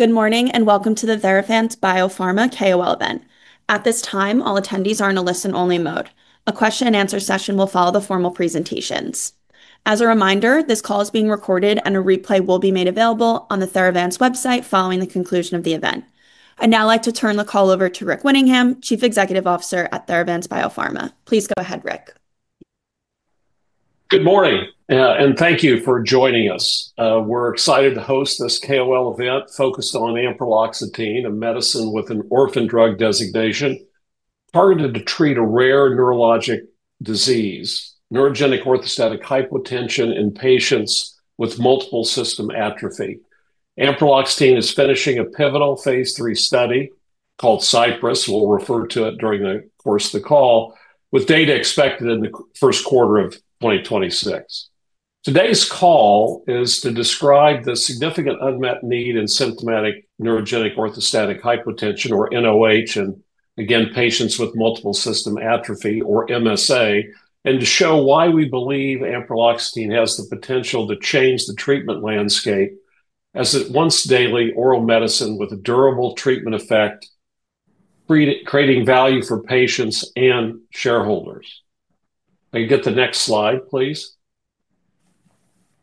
Good morning and welcome to the Theravance Biopharma KOL event. At this time, all attendees are in a listen-only mode. A question-and-answer session will follow the formal presentations. As a reminder, this call is being recorded and a replay will be made available on the Theravance website following the conclusion of the event. I'd now like to turn the call over to Rick Winningham, Chief Executive Officer at Theravance Biopharma. Please go ahead, Rick. Good morning, and thank you for joining us. We're excited to host this KOL event focused on ampreloxetine, a medicine with an orphan drug designation targeted to treat a rare neurologic disease, neurogenic orthostatic hypotension in patients with multiple system atrophy. ampreloxetine is finishing a pivotal phase III study called Cypress. We'll refer to it during the course of the call, with data expected in the first quarter of 2026. Today's call is to describe the significant unmet need in symptomatic neurogenic orthostatic hypotension, or NOH, and again, patients with multiple system atrophy, or MSA, and to show why we believe ampreloxetine has the potential to change the treatment landscape as it once daily oral medicine with a durable treatment effect, creating value for patients and shareholders. I can get the next slide, please.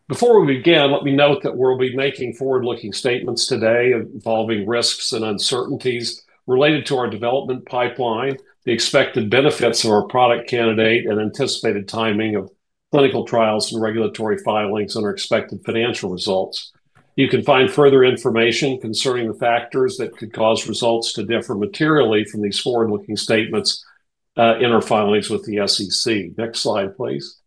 Before we begin, let me note that we'll be making forward-looking statements today involving risks and uncertainties related to our development pipeline, the expected benefits of our product candidate, and anticipated timing of clinical trials and regulatory filings and our expected financial results. You can find further information concerning the factors that could cause results to differ materially from these forward-looking statements in our filings with the SEC. Next slide, please.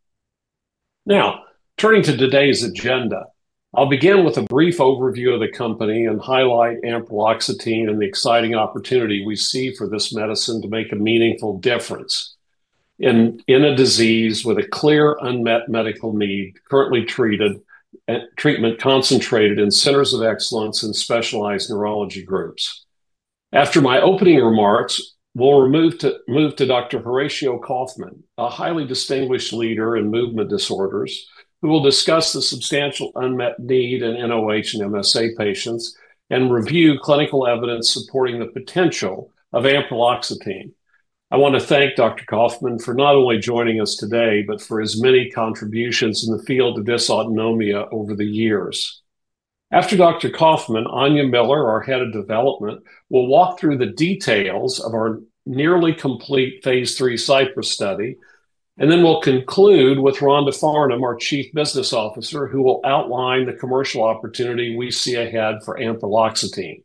Now, turning to today's agenda, I'll begin with a brief overview of the company and highlight ampreloxetine and the exciting opportunity we see for this medicine to make a meaningful difference in a disease with a clear unmet medical need currently treated, treatment concentrated in centers of excellence and specialized neurology groups. After my opening remarks, we'll move to Dr. Horacio Kaufmann, a highly distinguished leader in movement disorders, who will discuss the substantial unmet need in NOH and MSA patients and review clinical evidence supporting the potential of ampreloxetine. I want to thank Dr. Kaufmann for not only joining us today, but for his many contributions in the field of dysautonomia over the years. After Dr. Kaufmann, Áine Miller, our Head of Development, will walk through the details of our nearly complete phase III Cypress study, and then we'll conclude with Rhonda Farnum, our Chief Business Officer, who will outline the commercial opportunity we see ahead for ampreloxetine.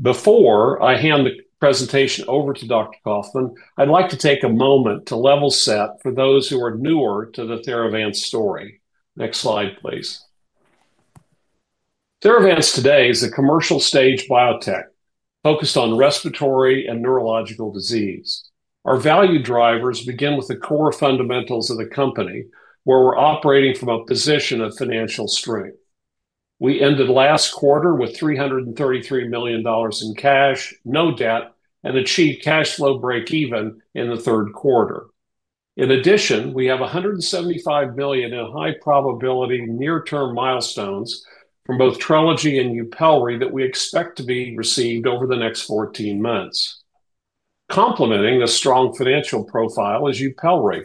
Before I hand the presentation over to Dr. Kaufmann, I'd like to take a moment to level set for those who are newer to the Theravance story. Next slide, please. Theravance today is a commercial stage biotech focused on respiratory and neurological disease. Our value drivers begin with the core fundamentals of the company, where we're operating from a position of financial strength. We ended last quarter with $333 million in cash, no debt, and achieved cash flow break-even in the third quarter. In addition, we have $175 million in high-probability near-term milestones from both Trelegy and Yupelri that we expect to be received over the next 14 months. Complementing the strong financial profile is Yupelri,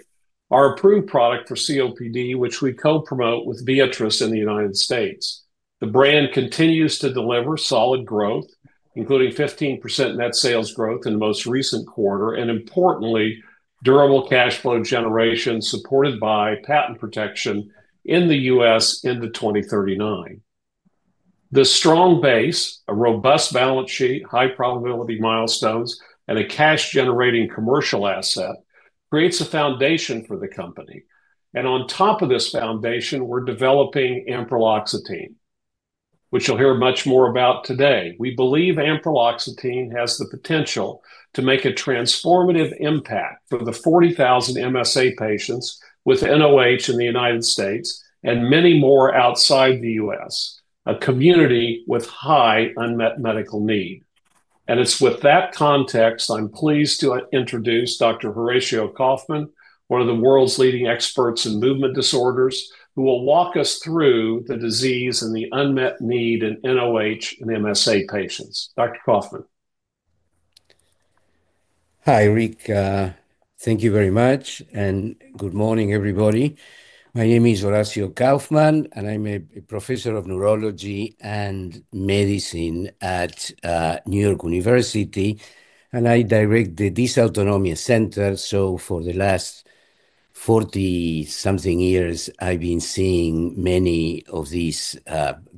our approved product for COPD, which we co-promote with Viatris in the United States. The brand continues to deliver solid growth, including 15% net sales growth in the most recent quarter, and importantly, durable cash flow generation supported by patent protection in the U.S. into 2039. The strong base, a robust balance sheet, high-probability milestones, and a cash-generating commercial asset creates a foundation for the company. And on top of this foundation, we're developing ampreloxetine, which you'll hear much more about today. We believe ampreloxetine has the potential to make a transformative impact for the 40,000 MSA patients with NOH in the United States and many more outside the U.S., a community with high unmet medical need. And it's with that context I'm pleased to introduce Dr. Horacio Kaufmann, one of the world's leading experts in movement disorders, who will walk us through the disease and the unmet need in NOH and MSA patients. Dr. Kaufmann. Hi, Rick. Thank you very much and good morning, everybody. My name is Horacio Kaufmann, and I'm a professor of neurology and medicine at New York University, and I direct the Dysautonomia Center. So for the last 40-something years, I've been seeing many of these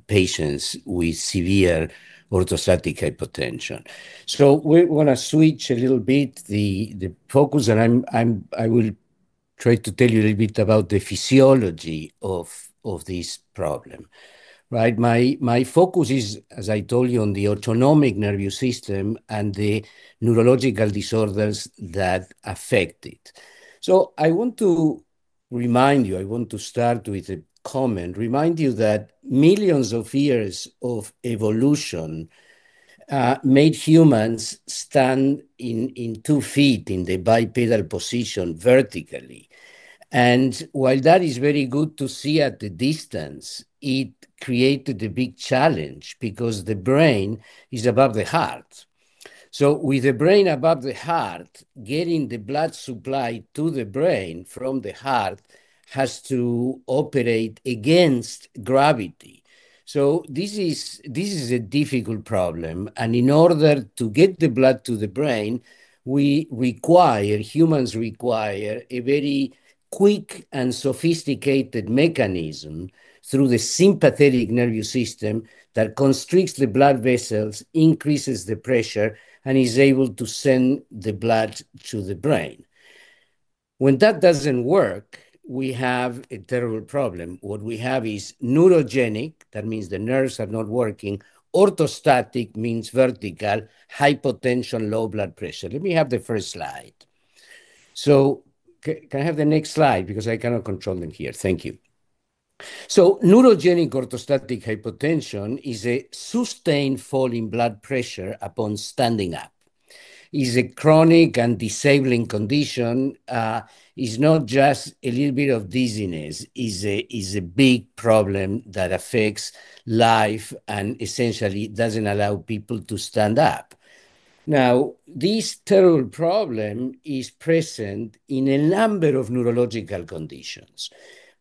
patients with severe orthostatic hypotension, so we want to switch a little bit the focus, and I will try to tell you a little bit about the physiology of this problem. My focus is, as I told you, on the autonomic nervous system and the neurological disorders that affect it, so I want to remind you, I want to start with a comment, remind you that millions of years of evolution made humans stand in two feet in the bipedal position vertically and while that is very good to see at the distance, it created a big challenge because the brain is above the heart. So with the brain above the heart, getting the blood supply to the brain from the heart has to operate against gravity. So this is a difficult problem. And in order to get the blood to the brain, humans require a very quick and sophisticated mechanism through the sympathetic nervous system that constricts the blood vessels, increases the pressure, and is able to send the blood to the brain. When that doesn't work, we have a terrible problem. What we have is neurogenic, that means the nerves are not working. Orthostatic means vertical, hypotension, low blood pressure. Let me have the first slide. So can I have the next slide because I cannot control them here? Thank you. So neurogenic orthostatic hypotension is a sustained fall in blood pressure upon standing up. It's a chronic and disabling condition. It's not just a little bit of dizziness. It's a big problem that affects life and essentially doesn't allow people to stand up. Now, this terrible problem is present in a number of neurological conditions,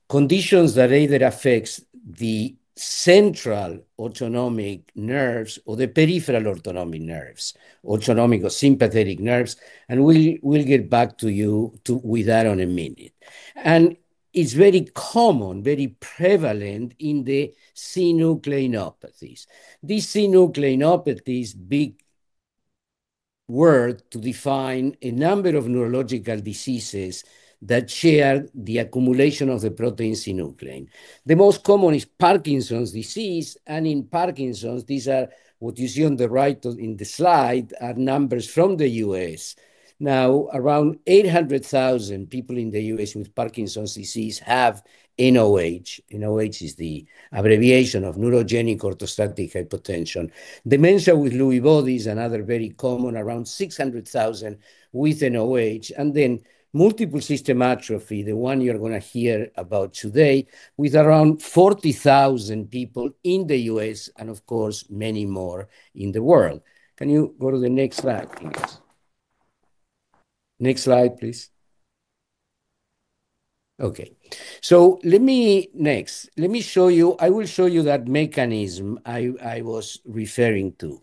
conditions that either affect the central autonomic nerves or the peripheral autonomic nerves, autonomic or sympathetic nerves, and we'll get back to you with that in a minute, and it's very common, very prevalent in the synucleinopathies. This synucleinopathy is a big word to define a number of neurological diseases that share the accumulation of the protein synuclein. The most common is Parkinson's disease, and in Parkinson's, these, what you see on the right in the slide, are numbers from the U.S. Now, around 800,000 people in the U.S. with Parkinson's disease have NOH. NOH is the abbreviation of neurogenic orthostatic hypotension. Dementia with Lewy bodies and other very common, around 600,000 with NOH. And then multiple system atrophy, the one you're going to hear about today, with around 40,000 people in the U.S. and, of course, many more in the world. Can you go to the next slide, please? Next slide, please. Okay. So let me next, let me show you, I will show you that mechanism I was referring to.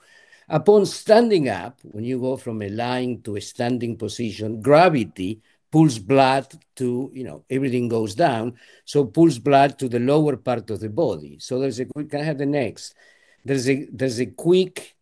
Upon standing up, when you go from a lying to a standing position, gravity pulls blood to, you know, everything goes down, so pulls blood to the lower part of the body. So there's a quick, can I have the next? There's a quick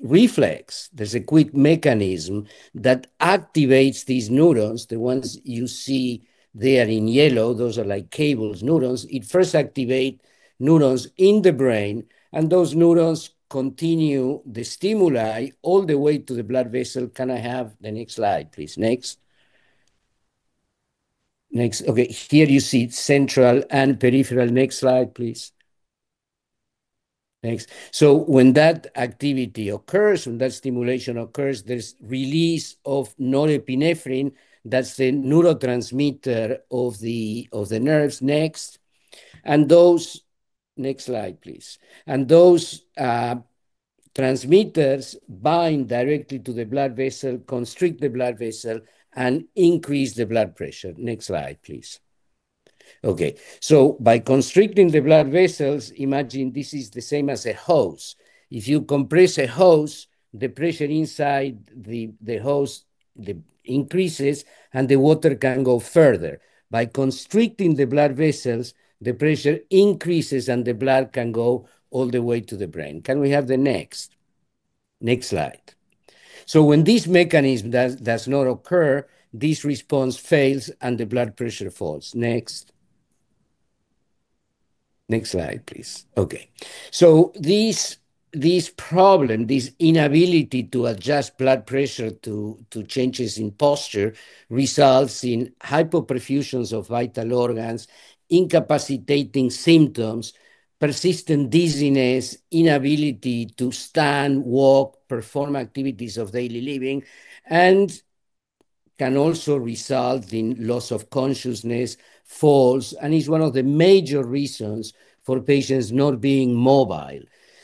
reflex, there's a quick mechanism that activates these neurons, the ones you see there in yellow, those are like cables, neurons. It first activates neurons in the brain, and those neurons continue the stimuli all the way to the blood vessel. Can I have the next slide, please? Okay. Here you see central and peripheral. Next slide, please. Next. So when that activity occurs, when that stimulation occurs, there's release of norepinephrine. That's the neurotransmitter of the nerves. Next. Next slide, please. And those transmitters bind directly to the blood vessel, constrict the blood vessel, and increase the blood pressure. Next slide, please. Okay. So by constricting the blood vessels, imagine this is the same as a hose. If you compress a hose, the pressure inside the hose increases, and the water can go further. By constricting the blood vessels, the pressure increases, and the blood can go all the way to the brain. Can we have the next? Next slide. So when this mechanism does not occur, this response fails and the blood pressure falls. Next. Next slide, please. Okay. So this problem, this inability to adjust blood pressure to changes in posture results in hypoperfusions of vital organs, incapacitating symptoms, persistent dizziness, inability to stand, walk, perform activities of daily living, and can also result in loss of consciousness, falls, and is one of the major reasons for patients not being mobile.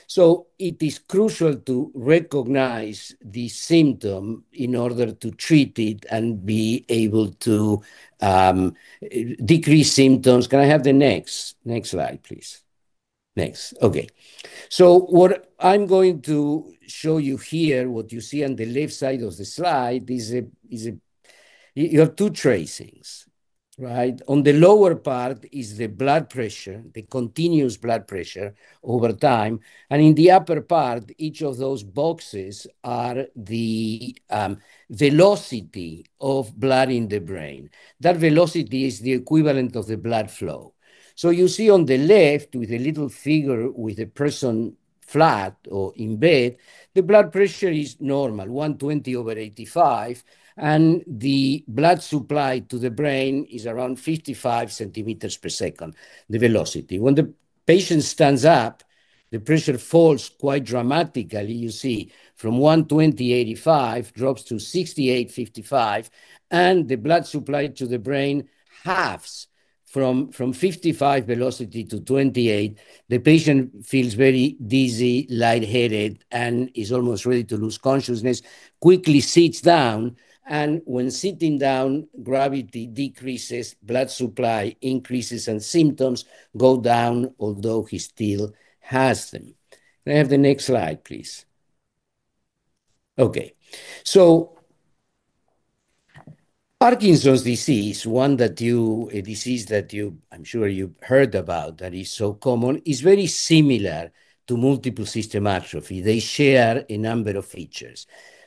So it is crucial to recognize the symptom in order to treat it and be able to decrease symptoms. Can I have the next? Next slide, please. Next. Okay. So what I'm going to show you here, what you see on the left side of the slide is a, you have two tracings, right? On the lower part is the blood pressure, the continuous blood pressure over time. And in the upper part, each of those boxes are the velocity of blood in the brain. That velocity is the equivalent of the blood flow. So you see on the left with a little figure with a person flat or in bed, the blood pressure is normal, 120 over 85, and the blood supply to the brain is around 55 centimeters per second, the velocity. When the patient stands up, the pressure falls quite dramatically. You see from 120, 85 drops to 68, 55, and the blood supply to the brain halves from 55 velocity to 28. The patient feels very dizzy, lightheaded, and is almost ready to lose consciousness, quickly sits down, and when sitting down, gravity decreases, blood supply increases, and symptoms go down, although he still has them. Can I have the next slide, please? Okay. So Parkinson's disease, a disease that you, I'm sure you've heard about that is so common, is very similar to multiple system atrophy. They share a number of features.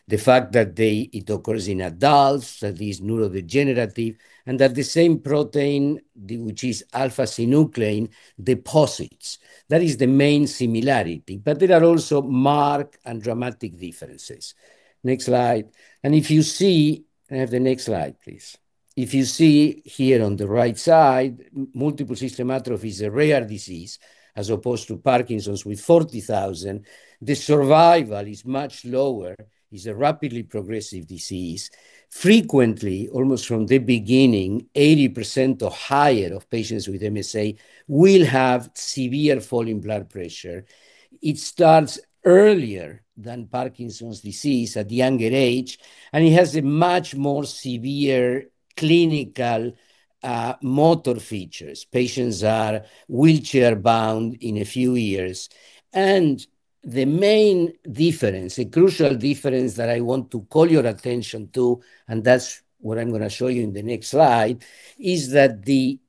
The fact that it occurs in adults, that is neurodegenerative, and that the same protein, which is alpha-synuclein, deposits. That is the main similarity, but there are also marked and dramatic differences. Next slide. And if you see, I have the next slide, please. If you see here on the right side, multiple system atrophy is a rare disease as opposed to Parkinson's with 40,000. The survival is much lower. It's a rapidly progressive disease. Frequently, almost from the beginning, 80% or higher of patients with MSA will have severe fall in blood pressure. It starts earlier than Parkinson's disease at a younger age, and it has a much more severe clinical motor features. Patients are wheelchair-bound in a few years. The main difference, a crucial difference that I want to call your attention to, and that's what I'm going to show you in the next slide, is that the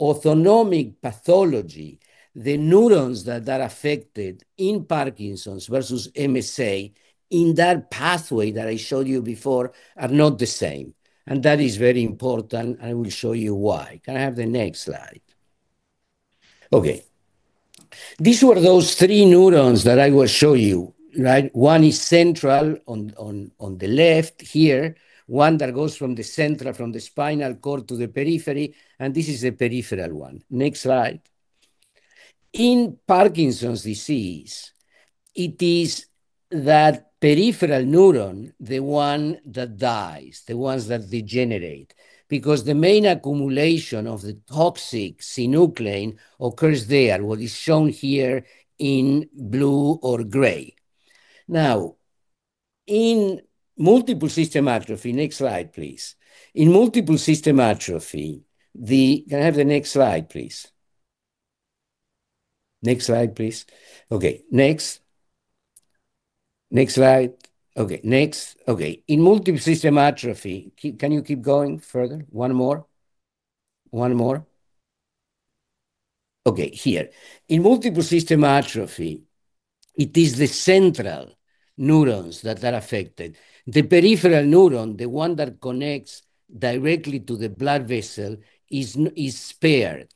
autonomic pathology, the neurons that are affected in Parkinson's versus MSA in that pathway that I showed you before are not the same. That is very important. I will show you why. Can I have the next slide? Okay. These were those three neurons that I will show you, right? One is central on the left here, one that goes from the central, from the spinal cord to the periphery, and this is the peripheral one. Next slide. In Parkinson's disease, it is that peripheral neuron, the one that dies, the ones that degenerate, because the main accumulation of the toxic synuclein occurs there, what is shown here in blue or gray. Now, in multiple system atrophy, next slide, please. In multiple system atrophy, can I have the next slide, please? Next slide, please. Okay. Next. Next slide. Okay. Next. Okay. In multiple system atrophy, can you keep going further? One more. One more. Okay. Here. In multiple system atrophy, it is the central neurons that are affected. The peripheral neuron, the one that connects directly to the blood vessel, is spared,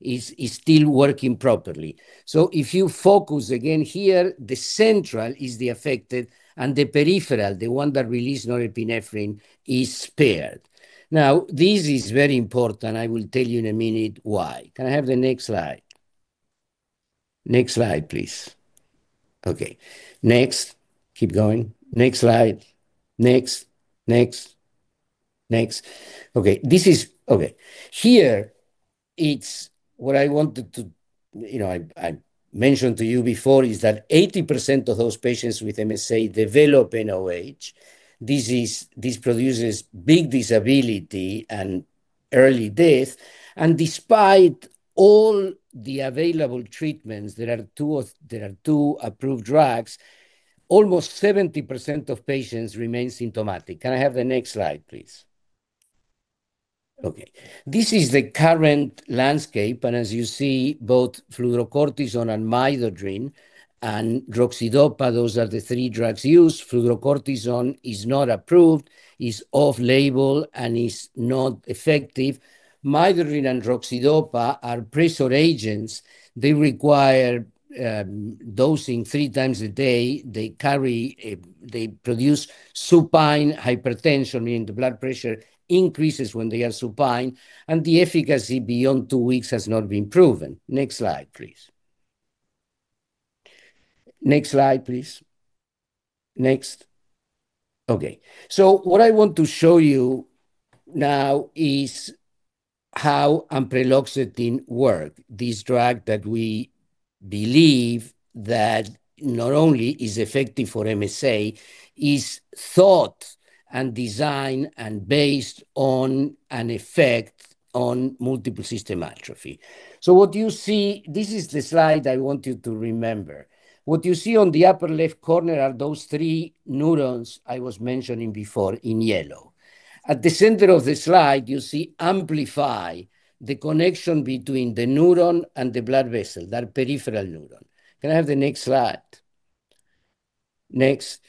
is still working properly. So if you focus again here, the central is the affected, and the peripheral, the one that releases norepinephrine, is spared. Now, this is very important. I will tell you in a minute why. Can I have the next slide? Next slide, please. Okay. Next. Keep going. Next slide. Next. Next. Next. Okay. This is, okay. Here, it's what I wanted to, you know, I mentioned to you before is that 80% of those patients with MSA develop NOH. This produces big disability and early death. And despite all the available treatments, there are two approved drugs, almost 70% of patients remain symptomatic. Can I have the next slide, please? Okay. This is the current landscape. And as you see, both fludrocortisone and midodrine and droxidopa, those are the three drugs used. Fludrocortisone is not approved, is off-label, and is not effective. Midodrine and droxidopa are pressor agents. They require dosing three times a day. They produce supine hypertension, meaning the blood pressure increases when they are supine. And the efficacy beyond two weeks has not been proven. Next slide, please. Next slide, please. Next. Okay. So what I want to show you now is how ampreloxetine works. This drug that we believe that not only is effective for MSA is thought and designed and based on an effect on multiple system atrophy. So what you see, this is the slide I want you to remember. What you see on the upper left corner are those three neurons I was mentioning before in yellow. At the center of the slide, you see amplify the connection between the neuron and the blood vessel, that peripheral neuron. Can I have the next slide? Next.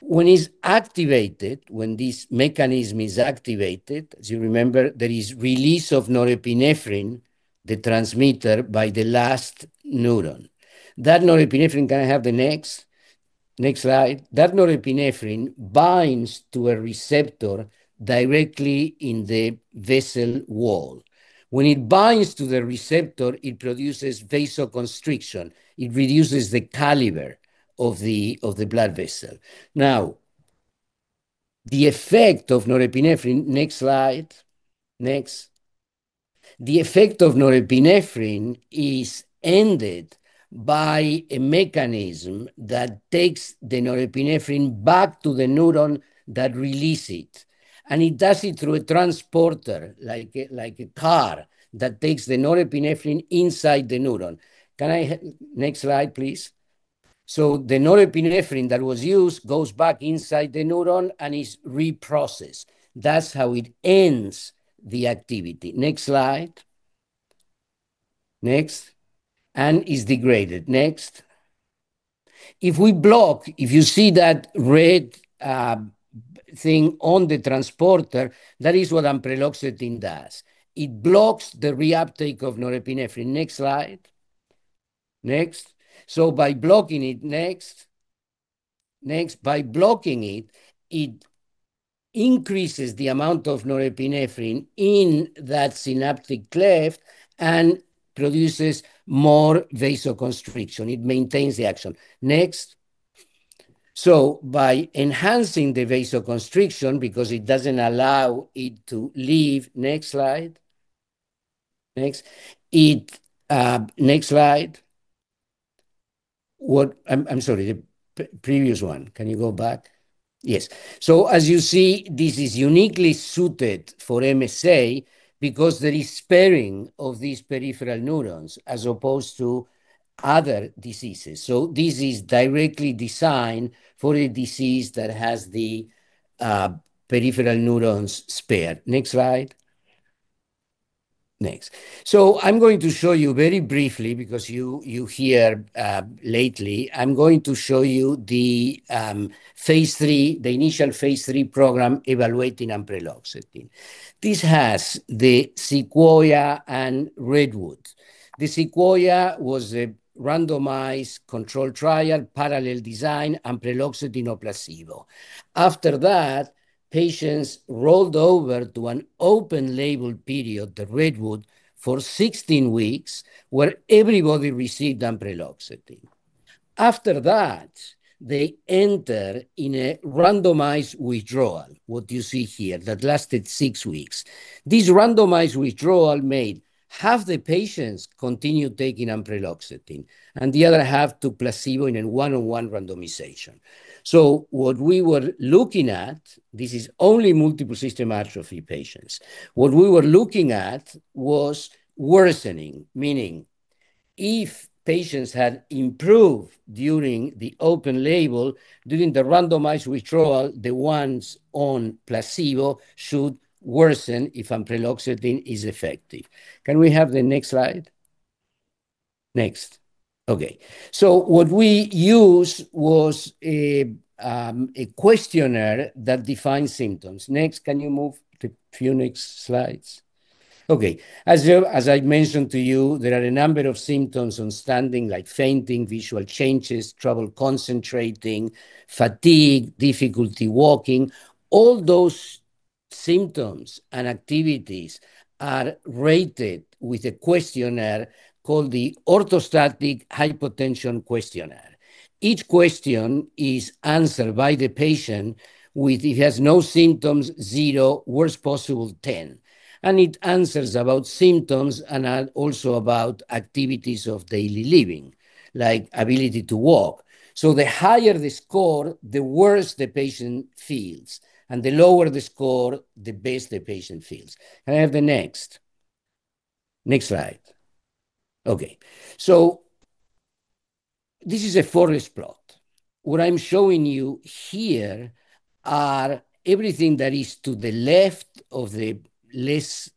When it's activated, when this mechanism is activated, as you remember, there is release of norepinephrine, the transmitter by the last neuron. That norepinephrine, can I have the next? Next slide. That norepinephrine binds to a receptor directly in the vessel wall. When it binds to the receptor, it produces vasoconstriction. It reduces the caliber of the blood vessel. Now, the effect of norepinephrine, next slide. Next. The effect of norepinephrine is ended by a mechanism that takes the norepinephrine back to the neuron that releases it. And it does it through a transporter, like a car, that takes the norepinephrine inside the neuron. Can I have next slide, please? So the norepinephrine that was used goes back inside the neuron and is reprocessed. That's how it ends the activity. Next slide. Next. And is degraded. Next. If we block, if you see that red thing on the transporter, that is what ampreloxetine does. It blocks the reuptake of norepinephrine. Next slide. Next. So by blocking it, next. Next. By blocking it, it increases the amount of norepinephrine in that synaptic cleft and produces more vasoconstriction. It maintains the action. Next. So by enhancing the vasoconstriction, because it doesn't allow it to leave, next slide. Next. Next slide. What, I'm sorry, the previous one. Can you go back? Yes, so as you see, this is uniquely suited for MSA because there is sparing of these peripheral neurons as opposed to other diseases. So this is directly designed for a disease that has the peripheral neurons spared. Next slide. Next, so I'm going to show you very briefly because you hear lately. I'm going to show you the phase III, the initial phase III program evaluating ampreloxetine. This has the Sequoia and Redwood. The Sequoia was a randomized control trial, parallel design, ampreloxetine or placebo. After that, patients rolled over to an open-label period, the Redwood, for 16 weeks where everybody received ampreloxetine. After that, they entered in a randomized withdrawal, what you see here, that lasted six weeks. This randomized withdrawal made half the patients continue taking ampreloxetine and the other half to placebo in a one-on-one randomization. What we were looking at, this is only multiple system atrophy patients. What we were looking at was worsening, meaning if patients had improved during the open-label, during the randomized withdrawal, the ones on placebo should worsen if ampreloxetine is effective. Can we have the next slide? Next. Okay. What we used was a questionnaire that defined symptoms. Next, can you move to the next slides? Okay. As I mentioned to you, there are a number of symptoms on standing, like fainting, visual changes, trouble concentrating, fatigue, difficulty walking. All those symptoms and activities are rated with a questionnaire called the Orthostatic Hypotension Questionnaire. Each question is answered by the patient with he has no symptoms, zero, worst possible, 10. And it answers about symptoms and also about activities of daily living, like ability to walk. The higher the score, the worse the patient feels. The lower the score, the best the patient feels. Can I have the next? Next slide. Okay. This is a forest plot. What I'm showing you here are everything that is to the left of the least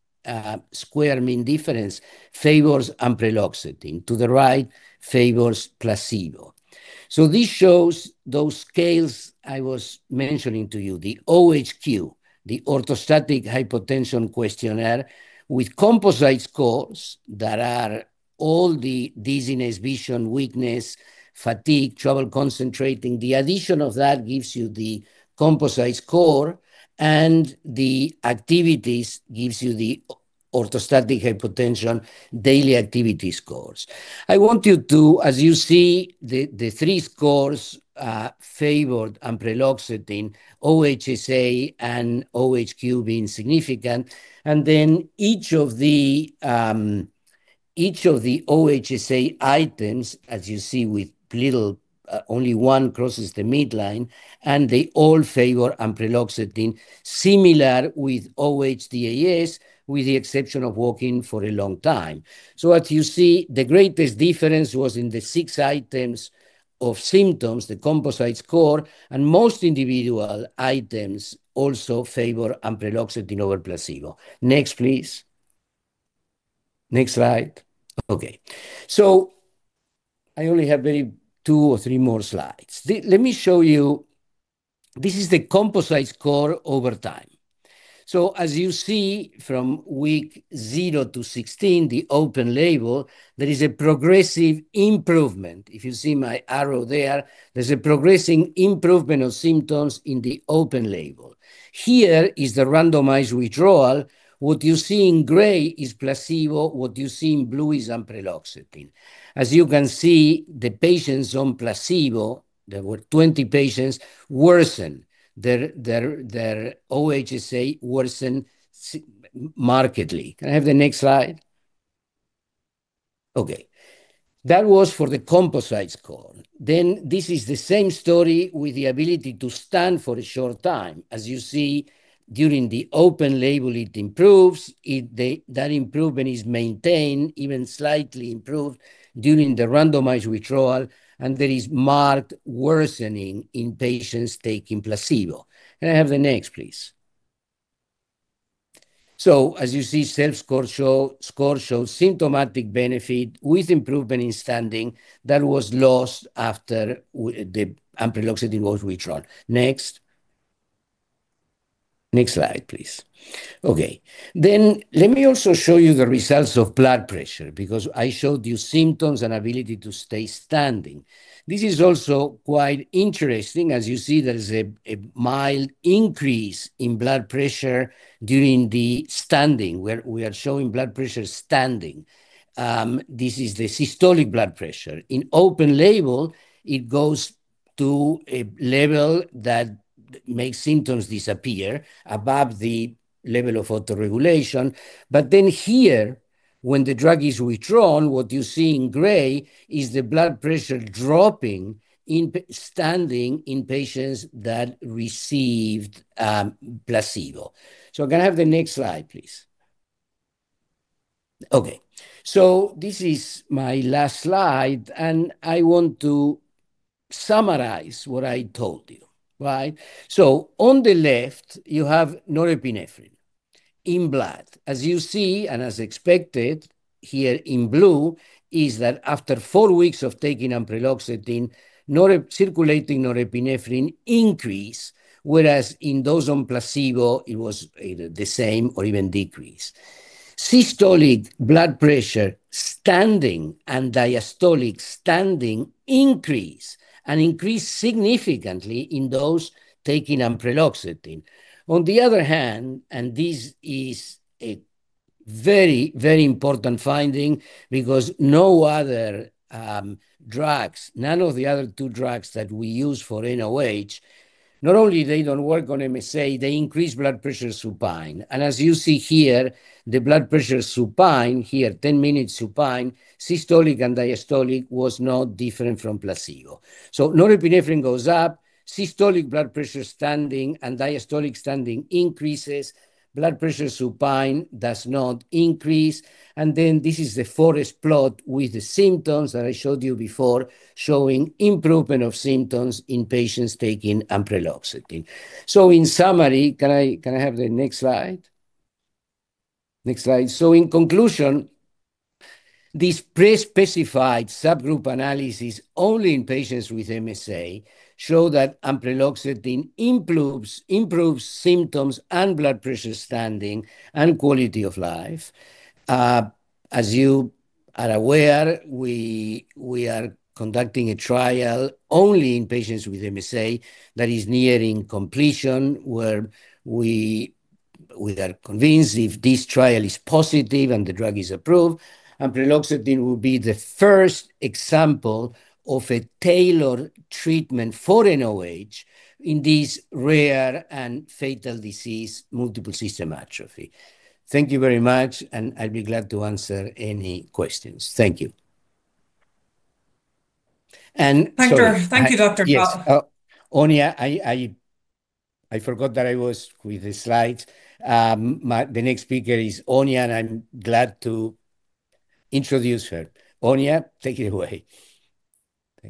squares mean difference favors ampreloxetine. To the right favors placebo. This shows those scales I was mentioning to you, the OHQ, the Orthostatic Hypotension Questionnaire with composite scores that are all the dizziness, vision, weakness, fatigue, trouble concentrating. The addition of that gives you the composite score, and the activities gives you the orthostatic hypotension daily activity scores. I want you to, as you see, the three scores favored ampreloxetine, OHSA, and OHQ being significant. Then each of the OHSA items, as you see with little, only one crosses the midline, and they all favor ampreloxetine, similar with OHDAS, with the exception of walking for a long time. So as you see, the greatest difference was in the six items of symptoms, the composite score, and most individual items also favor ampreloxetine over placebo. Next, please. Next slide. Okay. So I only have maybe two or three more slides. Let me show you. This is the composite score over time. So as you see from week zero to 16, the open label, there is a progressive improvement. If you see my arrow there, there's a progressing improvement of symptoms in the open label. Here is the randomized withdrawal. What you see in gray is placebo. What you see in blue is ampreloxetine. As you can see, the patients on placebo, there were 20 patients, worsened. Their OHSA worsened markedly. Can I have the next slide? Okay. That was for the composite score. Then this is the same story with the ability to stand for a short time. As you see, during the open label, it improves. That improvement is maintained, even slightly improved during the randomized withdrawal, and there is marked worsening in patients taking placebo. Can I have the next, please? As you see, self-score shows symptomatic benefit with improvement in standing that was lost after the ampreloxetine was withdrawn. Next. Next slide, please. Okay. Let me also show you the results of blood pressure because I showed you symptoms and ability to stay standing. This is also quite interesting. As you see, there is a mild increase in blood pressure during the standing where we are showing blood pressure standing. This is the systolic blood pressure. In open label, it goes to a level that makes symptoms disappear above the level of autoregulation. But then here, when the drug is withdrawn, what you see in gray is the blood pressure dropping in standing in patients that received placebo. So can I have the next slide, please? Okay. So this is my last slide, and I want to summarize what I told you, right? So on the left, you have norepinephrine in blood. As you see, and as expected here in blue, is that after four weeks of taking ampreloxetine, circulating norepinephrine increased, whereas in those on placebo, it was either the same or even decreased. Systolic blood pressure standing and diastolic standing increase and increase significantly in those taking ampreloxetine. On the other hand, and this is a very, very important finding because no other drugs, none of the other two drugs that we use for NOH, not only they don't work on MSA, they increase blood pressure supine. And as you see here, the blood pressure supine here, 10 minutes supine, systolic and diastolic was not different from placebo. So norepinephrine goes up, systolic blood pressure standing and diastolic standing increases, blood pressure supine does not increase. And then this is the forest plot with the symptoms that I showed you before, showing improvement of symptoms in patients taking ampreloxetine. So in summary, can I have the next slide? Next slide. So in conclusion, this pre-specified subgroup analysis only in patients with MSA showed that ampreloxetine improves symptoms and blood pressure standing and quality of life. As you are aware, we are conducting a trial only in patients with MSA that is nearing completion where we are convinced if this trial is positive and the drug is approved, ampreloxetine will be the first example of a tailored treatment for NOH in these rare and fatal diseases, multiple system atrophy. Thank you very much, and I'll be glad to answer any questions. Thank you. And thank you, Dr. Kaufmann. Áine, I forgot that I was with the slides. The next speaker is Áine, and I'm glad to introduce her. Áine, take it away.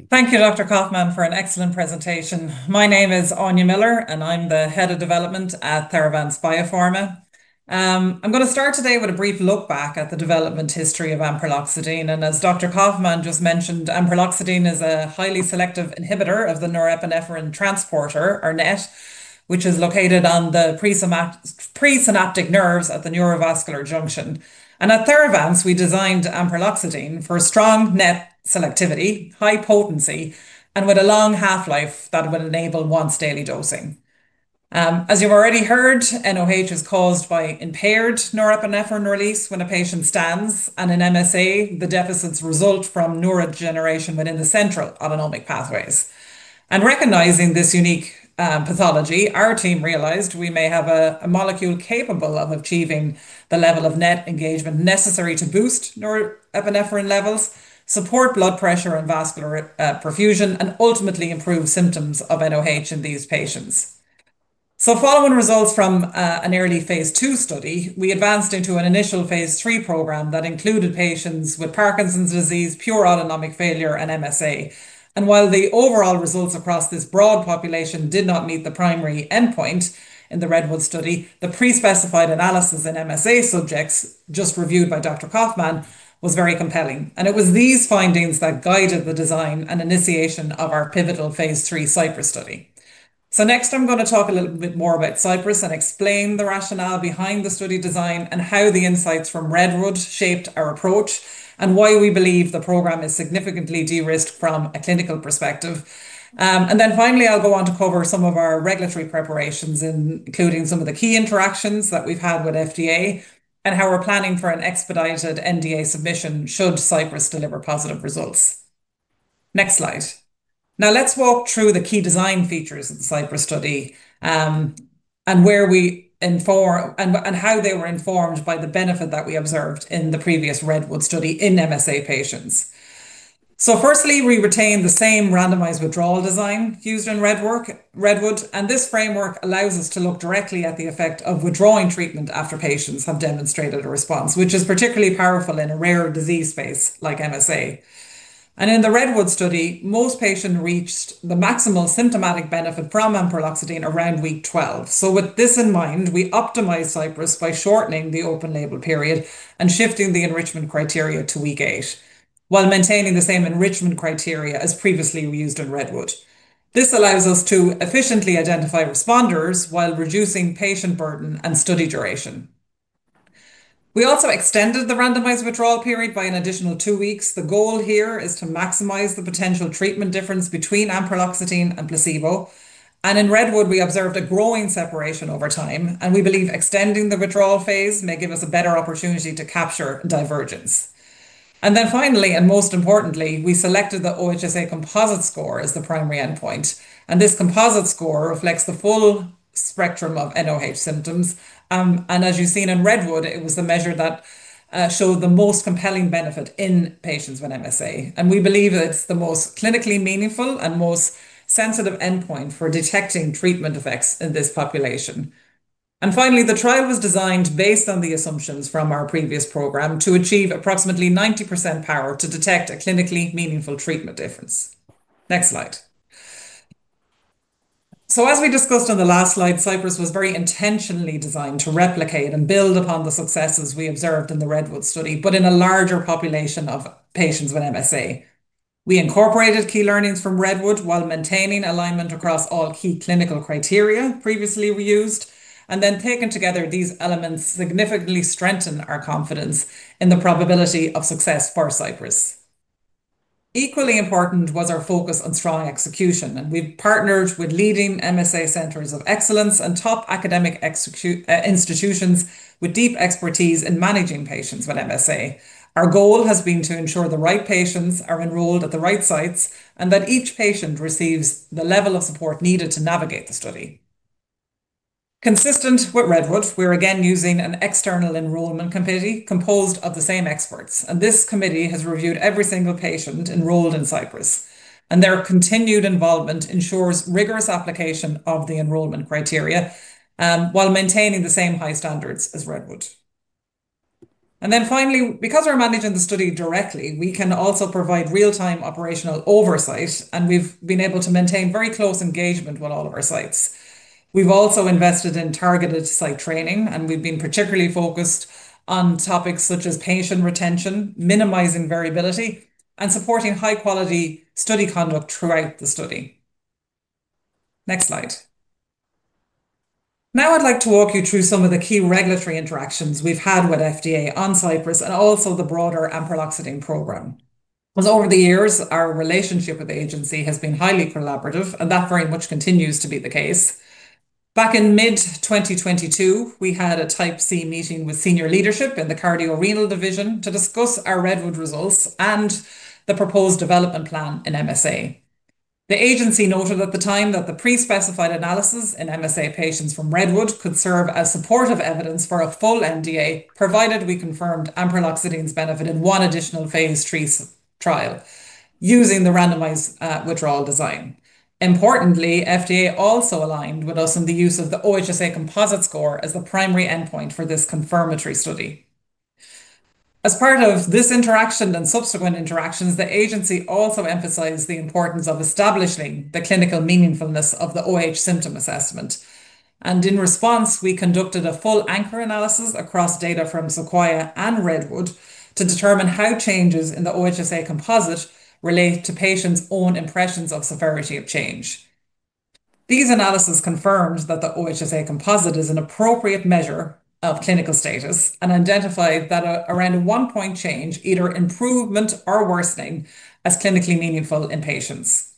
Thank you, Dr. Kaufmann, for an excellent presentation. My name is Áine Miller, and I'm the Head of Development at Theravance Biopharma. I'm going to start today with a brief look back at the development history of ampreloxetine. And as Dr. Kaufmann just mentioned, ampreloxetine is a highly selective inhibitor of the norepinephrine transporter, or NET, which is located on the presynaptic nerves at the neurovascular junction. At Theravance, we designed ampreloxetine for strong NET selectivity, high potency, and with a long half-life that would enable once-daily dosing. As you've already heard, NOH is caused by impaired norepinephrine release when a patient stands, and in MSA, the deficits result from neurodegeneration within the central autonomic pathways. Recognizing this unique pathology, our team realized we may have a molecule capable of achieving the level of NET engagement necessary to boost norepinephrine levels, support blood pressure and vascular perfusion, and ultimately improve symptoms of NOH in these patients. Following results from an early phase II study, we advanced into an initial phase III program that included patients with Parkinson's disease, pure autonomic failure, and MSA. While the overall results across this broad population did not meet the primary endpoint in the Redwood study, the pre-specified analysis in MSA subjects just reviewed by Dr. Kaufmann was very compelling. It was these findings that guided the design and initiation of our pivotal phase III Cypress study. Next, I'm going to talk a little bit more about Cypress and explain the rationale behind the study design and how the insights from Redwood shaped our approach and why we believe the program is significantly de-risked from a clinical perspective. Then finally, I'll go on to cover some of our regulatory preparations, including some of the key interactions that we've had with FDA and how we're planning for an expedited NDA submission should Cypress deliver positive results. Next slide. Now, let's walk through the key design features of the Cypress study and how they were informed by the benefit that we observed in the previous Redwood study in MSA patients. So firstly, we retained the same randomized withdrawal design used in Redwood, and this framework allows us to look directly at the effect of withdrawing treatment after patients have demonstrated a response, which is particularly powerful in a rare disease space like MSA. And in the Redwood study, most patients reached the maximal symptomatic benefit from ampreloxetine around week 12. So with this in mind, we optimized Cypress by shortening the open label period and shifting the enrichment criteria to week eight while maintaining the same enrichment criteria as previously used in Redwood. This allows us to efficiently identify responders while reducing patient burden and study duration. We also extended the randomized withdrawal period by an additional two weeks. The goal here is to maximize the potential treatment difference between ampreloxetine and placebo. And in Redwood, we observed a growing separation over time, and we believe extending the withdrawal phase may give us a better opportunity to capture divergence. And then finally, and most importantly, we selected the OHSA composite score as the primary endpoint. And this composite score reflects the full spectrum of NOH symptoms. And as you've seen in Redwood, it was the measure that showed the most compelling benefit in patients with MSA. And we believe it's the most clinically meaningful and most sensitive endpoint for detecting treatment effects in this population. And finally, the trial was designed based on the assumptions from our previous program to achieve approximately 90% power to detect a clinically meaningful treatment difference. Next slide. So as we discussed on the last slide, Cypress was very intentionally designed to replicate and build upon the successes we observed in the Redwood study, but in a larger population of patients with MSA. We incorporated key learnings from Redwood while maintaining alignment across all key clinical criteria previously we used, and then taken together, these elements significantly strengthen our confidence in the probability of success for Cypress. Equally important was our focus on strong execution, and we've partnered with leading MSA centers of excellence and top academic institutions with deep expertise in managing patients with MSA. Our goal has been to ensure the right patients are enrolled at the right sites and that each patient receives the level of support needed to navigate the study. Consistent with Redwood, we're again using an external enrollment committee composed of the same experts. This committee has reviewed every single patient enrolled in Cypress. Their continued involvement ensures rigorous application of the enrollment criteria while maintaining the same high standards as Redwood. Then finally, because we're managing the study directly, we can also provide real-time operational oversight, and we've been able to maintain very close engagement with all of our sites. We've also invested in targeted site training, and we've been particularly focused on topics such as patient retention, minimizing variability, and supporting high-quality study conduct throughout the study. Next slide. Now, I'd like to walk you through some of the key regulatory interactions we've had with FDA on Cypress and also the broader ampreloxetine program. Over the years, our relationship with the agency has been highly collaborative, and that very much continues to be the case. Back in mid-2022, we had a Type C meeting with senior leadership in the Cardiorenal Division to discuss our Redwood results and the proposed development plan in MSA. The agency noted at the time that the pre-specified analysis in MSA patients from Redwood could serve as supportive evidence for a full NDA, provided we confirmed ampreloxetine's benefit in one additional phase III trial using the randomized withdrawal design. Importantly, FDA also aligned with us in the use of the OHSA composite score as the primary endpoint for this confirmatory study. As part of this interaction and subsequent interactions, the agency also emphasized the importance of establishing the clinically meaningfulness of the OH symptom assessment, and in response, we conducted a full anchor analysis across data from Sequoia and Redwood to determine how changes in the OHSA composite relate to patients' own impressions of severity of change. These analyses confirmed that the OHSA composite is an appropriate measure of clinical status and identified that around a one-point change, either improvement or worsening, is clinically meaningful in patients,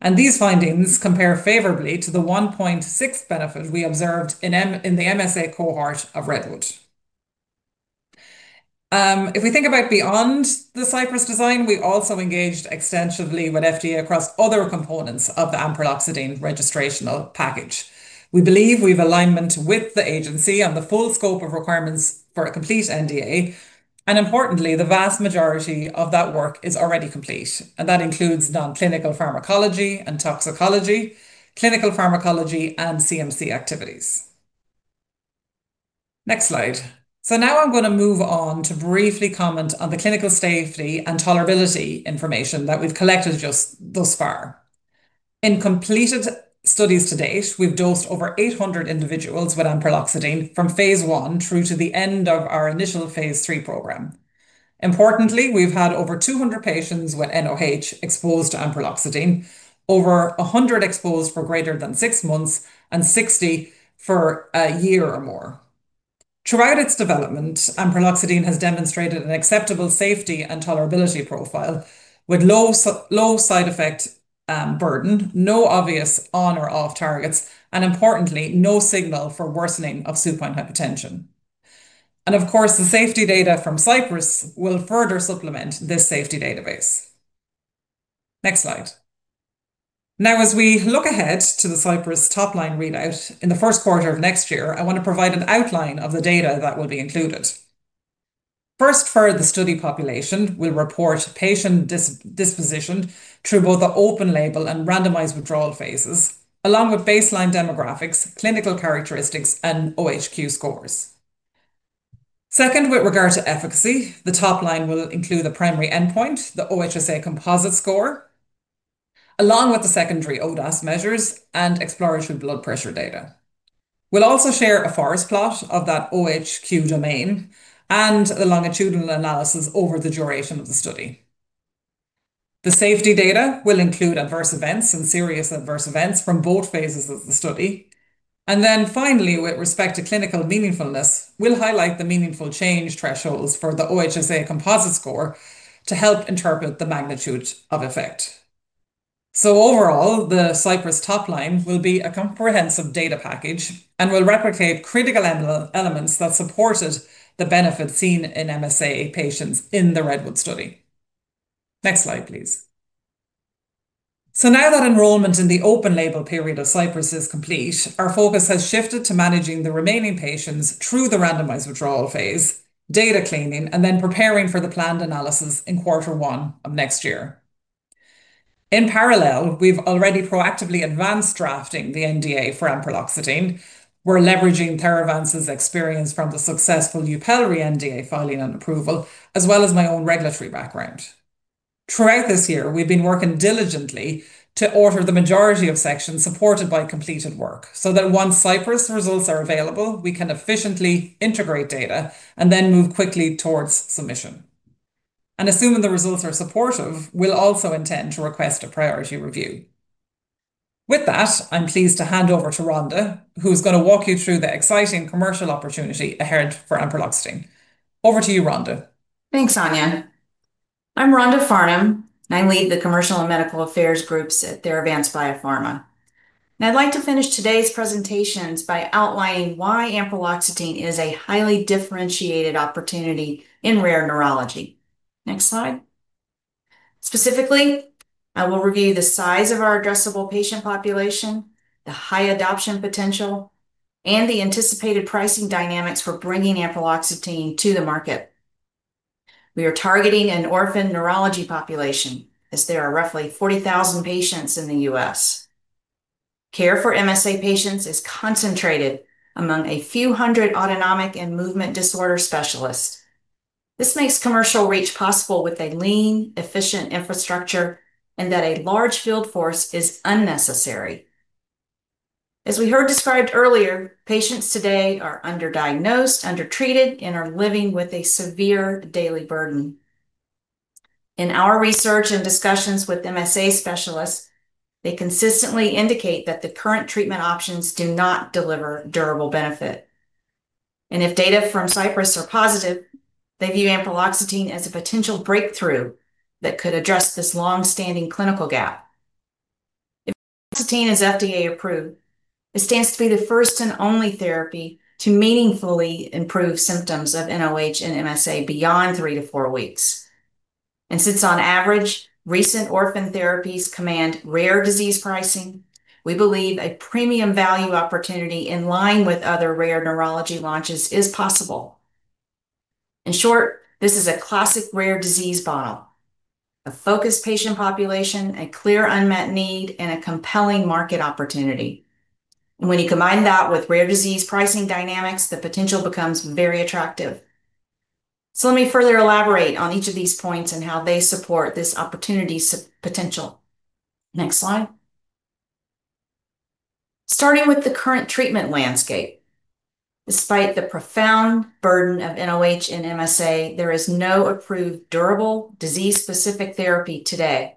and these findings compare favorably to the 1.6 benefit we observed in the MSA cohort of Redwood. If we think about beyond the Cypress design, we also engaged extensively with FDA across other components of the ampreloxetine registrational package. We believe we've aligned with the agency on the full scope of requirements for a complete NDA, and importantly, the vast majority of that work is already complete, and that includes non-clinical pharmacology and toxicology, clinical pharmacology, and CMC activities. Next slide, so now I'm going to move on to briefly comment on the clinical safety and tolerability information that we've collected just thus far. In completed studies to date, we've dosed over 800 individuals with ampreloxetine from phase I through to the end of our initial phase III program. Importantly, we've had over 200 patients with NOH exposed to ampreloxetine, over 100 exposed for greater than six months, and 60 for a year or more. Throughout its development, ampreloxetine has demonstrated an acceptable safety and tolerability profile with low side effect burden, no obvious on- or off targets, and importantly, no signal for worsening of supine hypertension. And of course, the safety data from Cypress will further supplement this safety database. Next slide. Now, as we look ahead to the Cypress top-line readout in the first quarter of next year, I want to provide an outline of the data that will be included. First, for the study population, we'll report patient disposition through both the open label and randomized withdrawal phases, along with baseline demographics, clinical characteristics, and OHQ scores. Second, with regard to efficacy, the top line will include the primary endpoint, the OHSA composite score, along with the secondary OHDAS measures and exploratory blood pressure data. We'll also share a forest plot of that OHQ domain and the longitudinal analysis over the duration of the study. The safety data will include adverse events and serious adverse events from both phases of the study. And then finally, with respect to clinical meaningfulness, we'll highlight the meaningful change thresholds for the OHSA composite score to help interpret the magnitude of effect. So overall, the Cypress top line will be a comprehensive data package and will replicate critical elements that supported the benefit seen in MSA patients in the Redwood study. Next slide, please. So now that enrollment in the open label period of Cypress is complete, our focus has shifted to managing the remaining patients through the randomized withdrawal phase, data cleaning, and then preparing for the planned analysis in quarter one of next year. In parallel, we've already proactively advanced drafting the NDA for ampreloxetine. We're leveraging Theravance's experience from the successful Yupelri NDA filing and approval, as well as my own regulatory background. Throughout this year, we've been working diligently to order the majority of sections supported by completed work so that once Cypress results are available, we can efficiently integrate data and then move quickly towards submission. And assuming the results are supportive, we'll also intend to request a priority review. With that, I'm pleased to hand over to Rhonda, who's going to walk you through the exciting commercial opportunity ahead for ampreloxetine. Over to you, Rhonda. Thanks, Áine. I'm Rhonda Farnum. I lead the Commercial and Medical Affairs Groups at Theravance Biopharma. And I'd like to finish today's presentations by outlining why ampreloxetine is a highly differentiated opportunity in rare neurology. Next slide. Specifically, I will review the size of our addressable patient population, the high adoption potential, and the anticipated pricing dynamics for bringing ampreloxetine to the market. We are targeting an orphan neurology population as there are roughly 40,000 patients in the U.S. Care for MSA patients is concentrated among a few hundred autonomic and movement disorder specialists. This makes commercial reach possible with a lean, efficient infrastructure and that a large field force is unnecessary. As we heard described earlier, patients today are underdiagnosed, undertreated, and are living with a severe daily burden. In our research and discussions with MSA specialists, they consistently indicate that the current treatment options do not deliver durable benefit. If data from Cypress are positive, they view ampreloxetine as a potential breakthrough that could address this long-standing clinical gap. Ampreloxetine is FDA approved. It stands to be the first and only therapy to meaningfully improve symptoms of NOH and MSA beyond three to four weeks. Since on average, recent orphan therapies command rare disease pricing, we believe a premium value opportunity in line with other rare neurology launches is possible. In short, this is a classic rare disease model: a focused patient population, a clear unmet need, and a compelling market opportunity. When you combine that with rare disease pricing dynamics, the potential becomes very attractive. Let me further elaborate on each of these points and how they support this opportunity potential. Next slide. Starting with the current treatment landscape. Despite the profound burden of NOH and MSA, there is no approved durable disease-specific therapy today.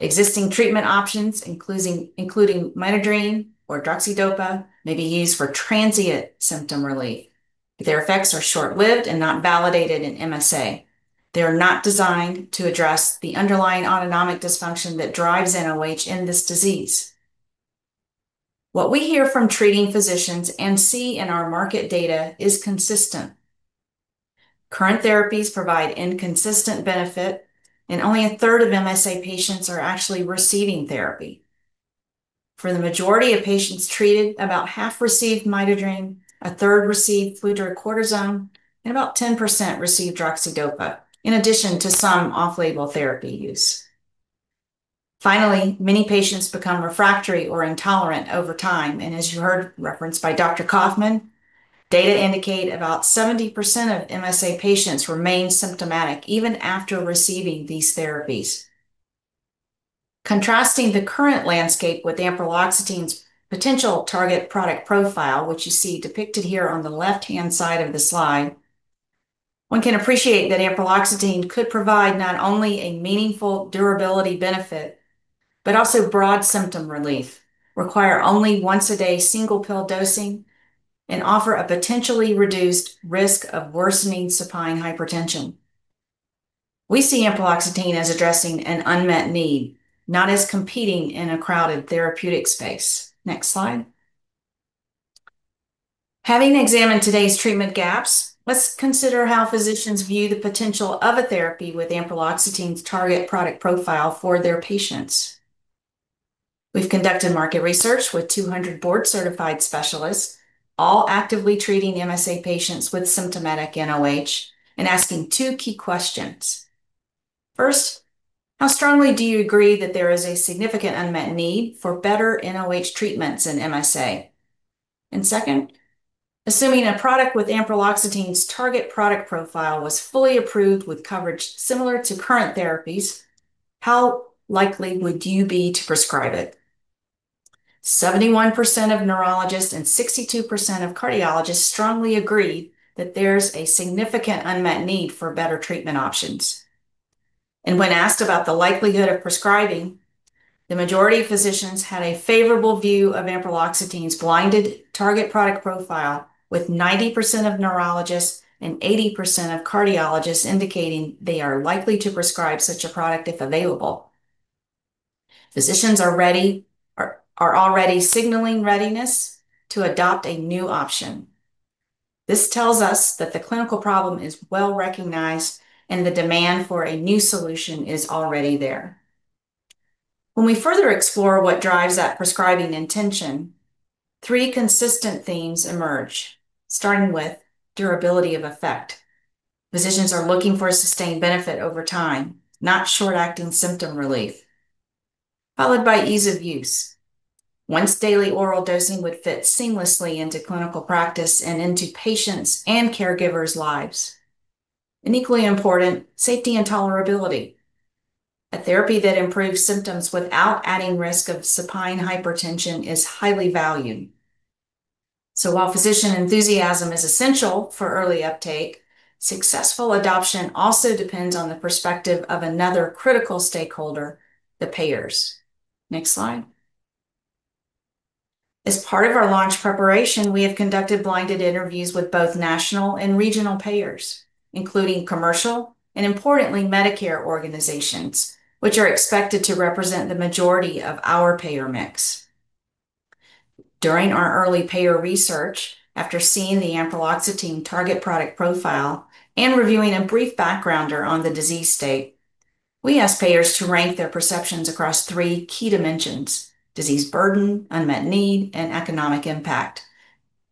Existing treatment options, including midodrine or droxidopa, may be used for transient symptom relief. Their effects are short-lived and not validated in MSA. They are not designed to address the underlying autonomic dysfunction that drives NOH in this disease. What we hear from treating physicians and see in our market data is consistent. Current therapies provide inconsistent benefit, and only a third of MSA patients are actually receiving therapy. For the majority of patients treated, about half received midodrine, a third received fludrocortisone, and about 10% received droxidopa, in addition to some off-label therapy use. Finally, many patients become refractory or intolerant over time. As you heard referenced by Dr. Kaufmann, data indicate about 70% of MSA patients remain symptomatic even after receiving these therapies. Contrasting the current landscape with ampreloxetine's potential target product profile, which you see depicted here on the left-hand side of the slide, one can appreciate that ampreloxetine could provide not only a meaningful durability benefit, but also broad symptom relief, require only once-a-day single pill dosing, and offer a potentially reduced risk of worsening supine hypertension. We see ampreloxetine as addressing an unmet need, not as competing in a crowded therapeutic space. Next slide. Having examined today's treatment gaps, let's consider how physicians view the potential of a therapy with ampreloxetine's target product profile for their patients. We've conducted market research with 200 board-certified specialists, all actively treating MSA patients with symptomatic NOH, and asking two key questions. First, how strongly do you agree that there is a significant unmet need for better NOH treatments in MSA? And second, assuming a product with ampreloxetine's target product profile was fully approved with coverage similar to current therapies, how likely would you be to prescribe it? 71% of neurologists and 62% of cardiologists strongly agree that there's a significant unmet need for better treatment options. And when asked about the likelihood of prescribing, the majority of physicians had a favorable view of ampreloxetine's blinded target product profile, with 90% of neurologists and 80% of cardiologists indicating they are likely to prescribe such a product if available. Physicians are already signaling readiness to adopt a new option. This tells us that the clinical problem is well recognized and the demand for a new solution is already there. When we further explore what drives that prescribing intention, three consistent themes emerge, starting with durability of effect. Physicians are looking for sustained benefit over time, not short-acting symptom relief, followed by ease of use. Once-daily oral dosing would fit seamlessly into clinical practice and into patients' and caregivers' lives. And equally important, safety and tolerability. A therapy that improves symptoms without adding risk of supine hypertension is highly valued. So while physician enthusiasm is essential for early uptake, successful adoption also depends on the perspective of another critical stakeholder, the payers. Next slide. As part of our launch preparation, we have conducted blinded interviews with both national and regional payers, including commercial and, importantly, Medicare organizations, which are expected to represent the majority of our payer mix. During our early payer research, after seeing the ampreloxetine target product profile and reviewing a brief backgrounder on the disease state, we asked payers to rank their perceptions across three key dimensions: disease burden, unmet need, and economic impact,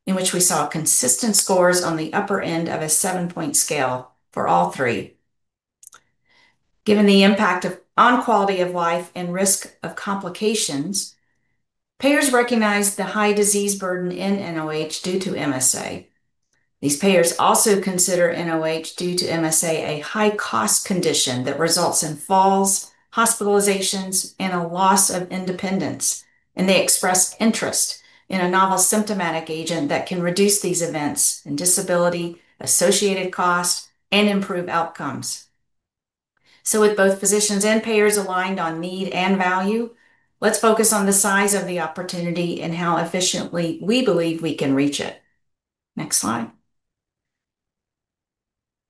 in which we saw consistent scores on the upper end of a seven-point scale for all three. Given the impact on quality of life and risk of complications, payers recognized the high disease burden in NOH due to MSA. These payers also consider NOH due to MSA a high-cost condition that results in falls, hospitalizations, and a loss of independence, and they express interest in a novel symptomatic agent that can reduce these events and disability, associated cost, and improve outcomes. So with both physicians and payers aligned on need and value, let's focus on the size of the opportunity and how efficiently we believe we can reach it. Next slide.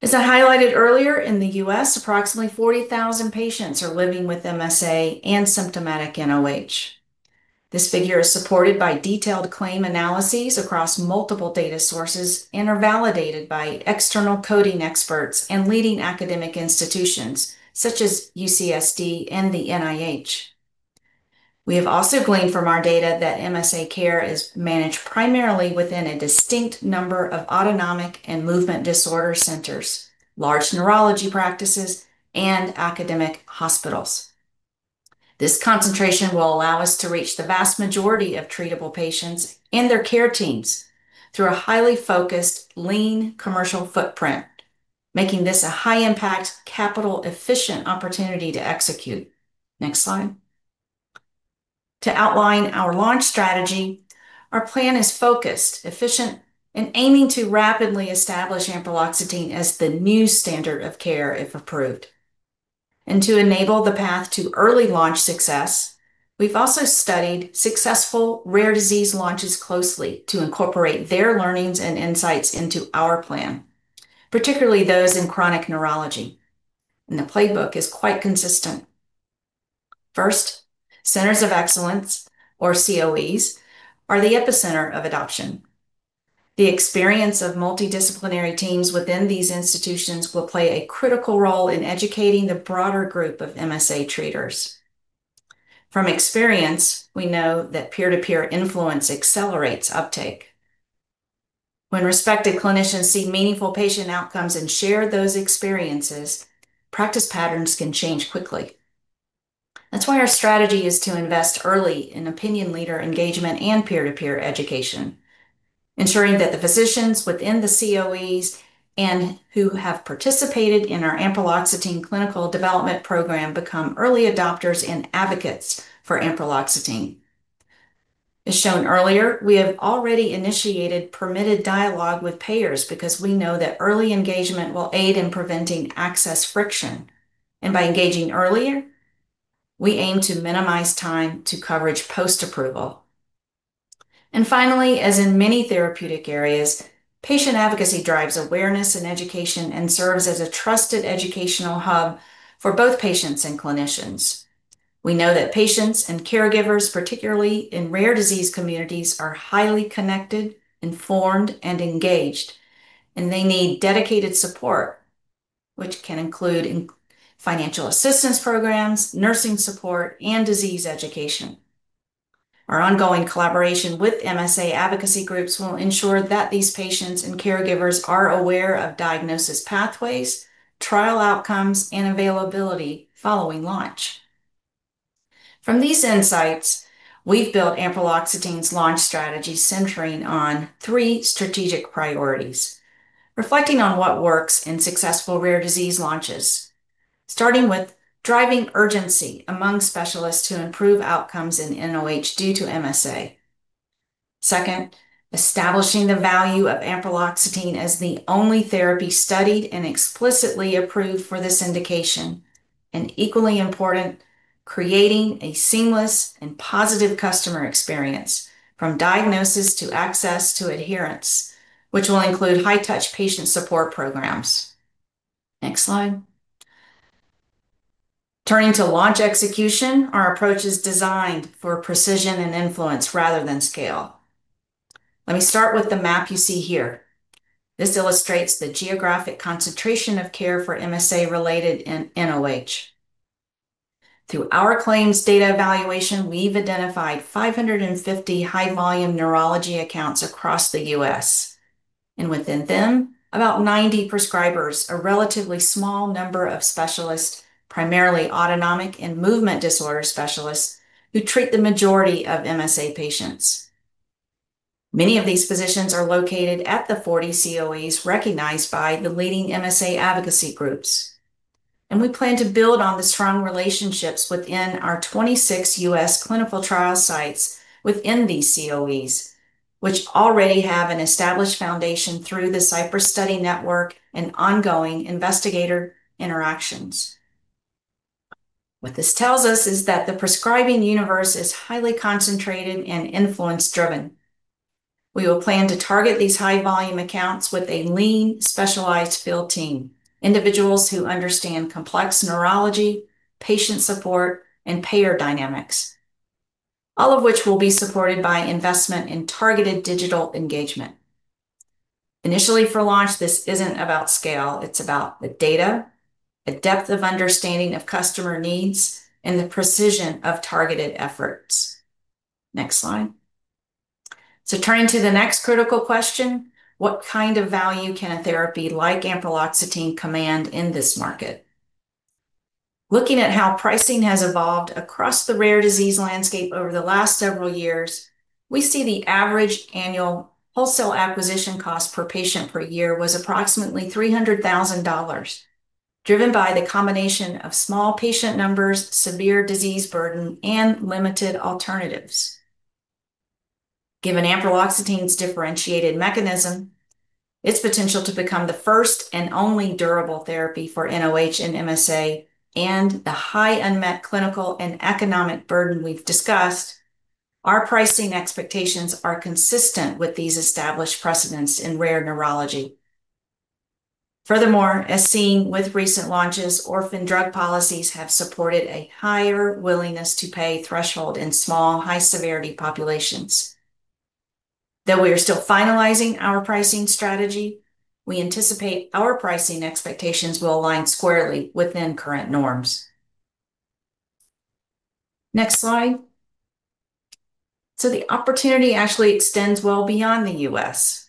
As I highlighted earlier, in the U.S., approximately 40,000 patients are living with MSA and symptomatic NOH. This figure is supported by detailed claim analyses across multiple data sources and are validated by external coding experts and leading academic institutions such as UCSD and the NIH. We have also gleaned from our data that MSA care is managed primarily within a distinct number of autonomic and movement disorder centers, large neurology practices, and academic hospitals. This concentration will allow us to reach the vast majority of treatable patients and their care teams through a highly focused, lean commercial footprint, making this a high-impact, capital-efficient opportunity to execute. Next slide. To outline our launch strategy, our plan is focused, efficient, and aiming to rapidly establish ampreloxetine as the new standard of care if approved. To enable the path to early launch success, we've also studied successful rare disease launches closely to incorporate their learnings and insights into our plan, particularly those in chronic neurology. The playbook is quite consistent. First, centers of excellence, or COEs, are the epicenter of adoption. The experience of multidisciplinary teams within these institutions will play a critical role in educating the broader group of MSA treaters. From experience, we know that peer-to-peer influence accelerates uptake. When respected clinicians see meaningful patient outcomes and share those experiences, practice patterns can change quickly. That's why our strategy is to invest early in opinion leader engagement and peer-to-peer education, ensuring that the physicians within the COEs and who have participated in our ampreloxetine clinical development program become early adopters and advocates for ampreloxetine. As shown earlier, we have already initiated permitted dialogue with payers because we know that early engagement will aid in preventing access friction, and by engaging earlier, we aim to minimize time to coverage post-approval, and finally, as in many therapeutic areas, patient advocacy drives awareness and education and serves as a trusted educational hub for both patients and clinicians. We know that patients and caregivers, particularly in rare disease communities, are highly connected, informed, and engaged, and they need dedicated support, which can include financial assistance programs, nursing support, and disease education. Our ongoing collaboration with MSA advocacy groups will ensure that these patients and caregivers are aware of diagnosis pathways, trial outcomes, and availability following launch. From these insights, we've built ampreloxetine's launch strategy centering on three strategic priorities, reflecting on what works in successful rare disease launches, starting with driving urgency among specialists to improve outcomes in NOH due to MSA. Second, establishing the value of ampreloxetine as the only therapy studied and explicitly approved for this indication, and equally important, creating a seamless and positive customer experience from diagnosis to access to adherence, which will include high-touch patient support programs. Next slide. Turning to launch execution, our approach is designed for precision and influence rather than scale. Let me start with the map you see here. This illustrates the geographic concentration of care for MSA-related NOH. Through our claims data evaluation, we've identified 550 high-volume neurology accounts across the U.S. Within them, about 90 prescribers, a relatively small number of specialists, primarily autonomic and movement disorder specialists, who treat the majority of MSA patients. Many of these physicians are located at the 40 COEs recognized by the leading MSA advocacy groups. We plan to build on the strong relationships within our 26 U.S. clinical trial sites within these COEs, which already have an established foundation through the Cypress study network and ongoing investigator interactions. What this tells us is that the prescribing universe is highly concentrated and influence-driven. We will plan to target these high-volume accounts with a lean, specialized field team, individuals who understand complex neurology, patient support, and payer dynamics, all of which will be supported by investment in targeted digital engagement. Initially, for launch, this isn't about scale. It's about the data, a depth of understanding of customer needs, and the precision of targeted efforts. Next slide. So turning to the next critical question, what kind of value can a therapy like ampreloxetine command in this market? Looking at how pricing has evolved across the rare disease landscape over the last several years, we see the average annual wholesale acquisition cost per patient per year was approximately $300,000, driven by the combination of small patient numbers, severe disease burden, and limited alternatives. Given ampreloxetine's differentiated mechanism, its potential to become the first and only durable therapy for NOH and MSA, and the high unmet clinical and economic burden we've discussed, our pricing expectations are consistent with these established precedents in rare neurology. Furthermore, as seen with recent launches, orphan drug policies have supported a higher willingness to pay threshold in small, high-severity populations. Though we are still finalizing our pricing strategy, we anticipate our pricing expectations will align squarely within current norms. Next slide. So the opportunity actually extends well beyond the U.S.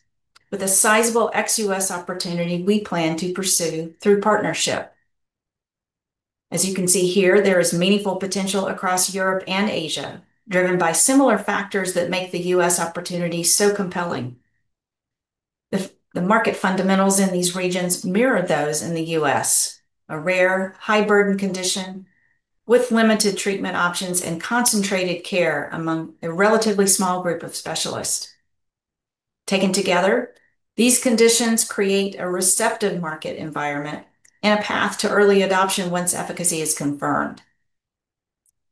With a sizable ex-U.S. opportunity, we plan to pursue through partnership. As you can see here, there is meaningful potential across Europe and Asia, driven by similar factors that make the U.S. opportunity so compelling. The market fundamentals in these regions mirror those in the U.S., a rare, high-burden condition with limited treatment options and concentrated care among a relatively small group of specialists. Taken together, these conditions create a receptive market environment and a path to early adoption once efficacy is confirmed.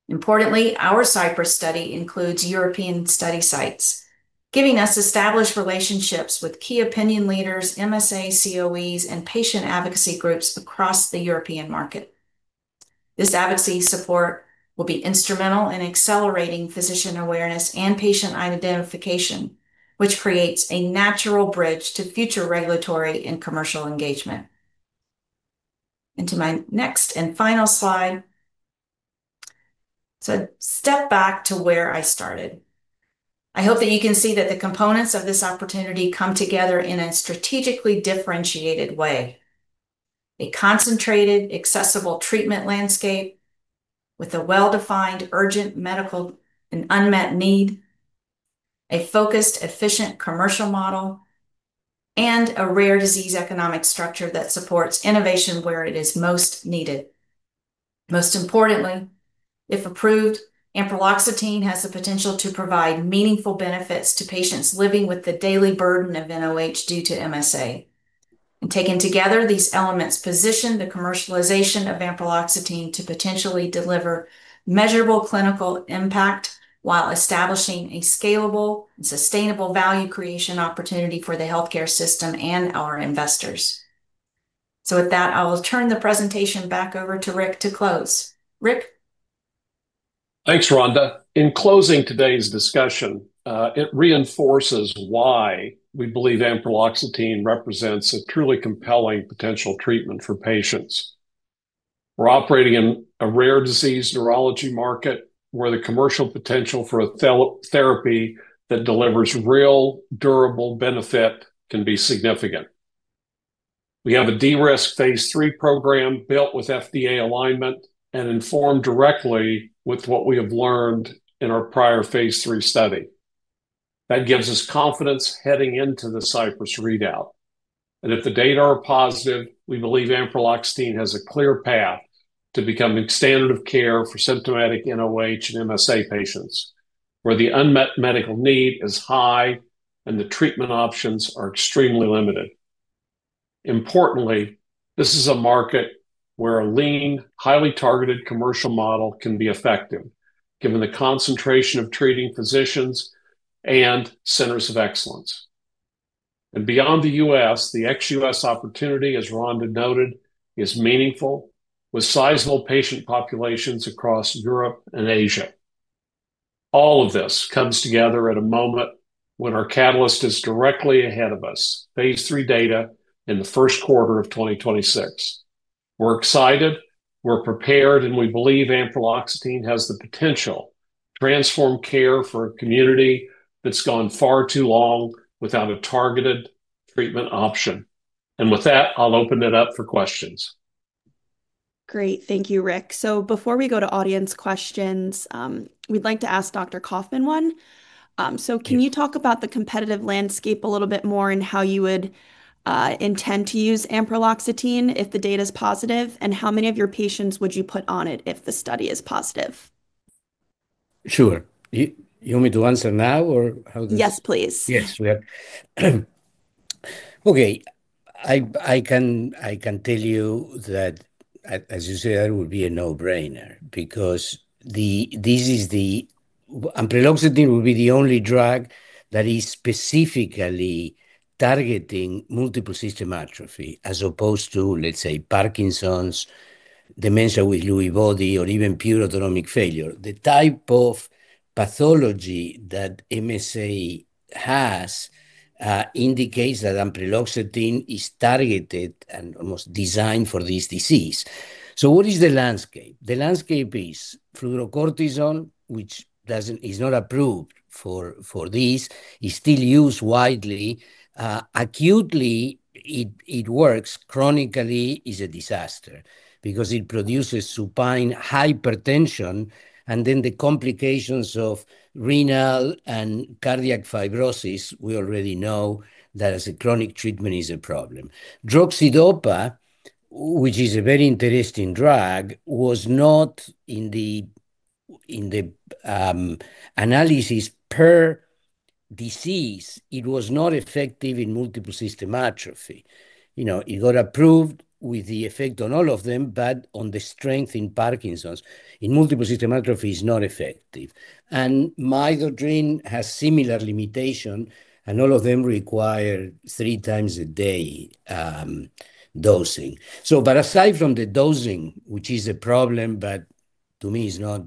Importantly, our Cypress study includes European study sites, giving us established relationships with key opinion leaders, MSA COEs, and patient advocacy groups across the European market. This advocacy support will be instrumental in accelerating physician awareness and patient identification, which creates a natural bridge to future regulatory and commercial engagement. To my next and final slide, so step back to where I started. I hope that you can see that the components of this opportunity come together in a strategically differentiated way: a concentrated, accessible treatment landscape with a well-defined, urgent medical and unmet need, a focused, efficient commercial model, and a rare disease economic structure that supports innovation where it is most needed. Most importantly, if approved, ampreloxetine has the potential to provide meaningful benefits to patients living with the daily burden of NOH due to MSA. Taken together, these elements position the commercialization of ampreloxetine to potentially deliver measurable clinical impact while establishing a scalable and sustainable value creation opportunity for the healthcare system and our investors. So with that, I will turn the presentation back over to Rick to close. Rick. Thanks, Rhonda. In closing today's discussion, it reinforces why we believe ampreloxetine represents a truly compelling potential treatment for patients. We're operating in a rare disease neurology market where the commercial potential for a therapy that delivers real, durable benefit can be significant. We have a Cypress phase III program built with FDA alignment and informed directly with what we have learned in our prior phase III study. That gives us confidence heading into the Cypress's readout. And if the data are positive, we believe ampreloxetine has a clear path to becoming standard of care for symptomatic NOH and MSA patients where the unmet medical need is high and the treatment options are extremely limited. Importantly, this is a market where a lean, highly targeted commercial model can be effective, given the concentration of treating physicians and centers of excellence. And beyond the U.S., the ex-U.S. opportunity, as Rhonda noted, is meaningful with sizable patient populations across Europe and Asia. All of this comes together at a moment when our catalyst is directly ahead of us: phase III data in the first quarter of 2026. We're excited, we're prepared, and we believe ampreloxetine has the potential to transform care for a community that's gone far too long without a targeted treatment option. And with that, I'll open it up for questions. Great. Thank you, Rick. So before we go to audience questions, we'd like to ask Dr. Kaufmann one. So can you talk about the competitive landscape a little bit more and how you would intend to use ampreloxetine if the data is positive, and how many of your patients would you put on it if the study is positive? Sure. You want me to answer now, or how does? Yes, please. Yes, sure. Okay. I can tell you that, as you said, it would be a no-brainer because this is the ampreloxetine will be the only drug that is specifically targeting multiple system atrophy as opposed to, let's say, Parkinson's, dementia with Lewy body, or even pure autonomic failure. The type of pathology that MSA has indicates that ampreloxetine is targeted and almost designed for this disease. So what is the landscape? The landscape is fludrocortisone, which is not approved for this. It's still used widely. Acutely, it works. Chronically, it's a disaster because it produces supine hypertension, and then the complications of renal and cardiac fibrosis, we already know that as a chronic treatment is a problem. Droxidopa, which is a very interesting drug, was not in the analysis per disease. It was not effective in multiple system atrophy. It got approved with the effect on all of them, but on the strength in Parkinson's. In multiple system atrophy, it's not effective. And Midodrine has similar limitations, and all of them require three times a day dosing. But aside from the dosing, which is a problem, but to me, it's not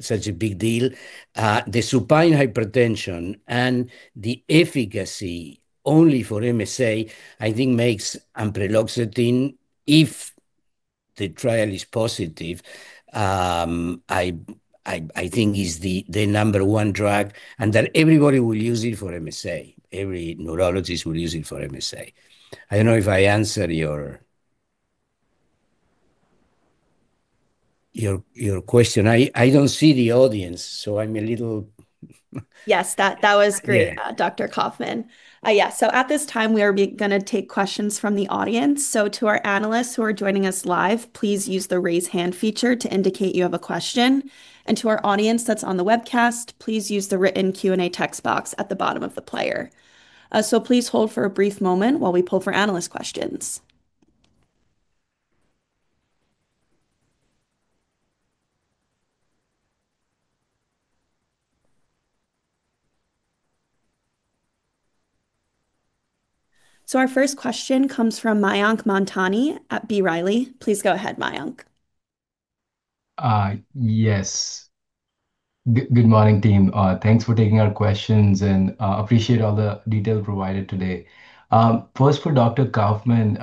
such a big deal, the supine hypertension and the efficacy only for MSA, I think, makes ampreloxetine, if the trial is positive, I think, the number one drug, and that everybody will use it for MSA. Every neurologist will use it for MSA. I don't know if I answered your question. I don't see the audience, so I'm a little. Yes, that was great, Dr. Kaufmann. Yeah. So at this time, we are going to take questions from the audience. To our analysts who are joining us live, please use the raise hand feature to indicate you have a question. And to our audience that's on the webcast, please use the written Q&A text box at the bottom of the player. So please hold for a brief moment while we pull for analyst questions. So our first question comes from Mayank Mamtani at B. Riley. Please go ahead, Mayank. Yes. Good morning, team. Thanks for taking our questions and appreciate all the detail provided today. First, for Dr. Kaufmann,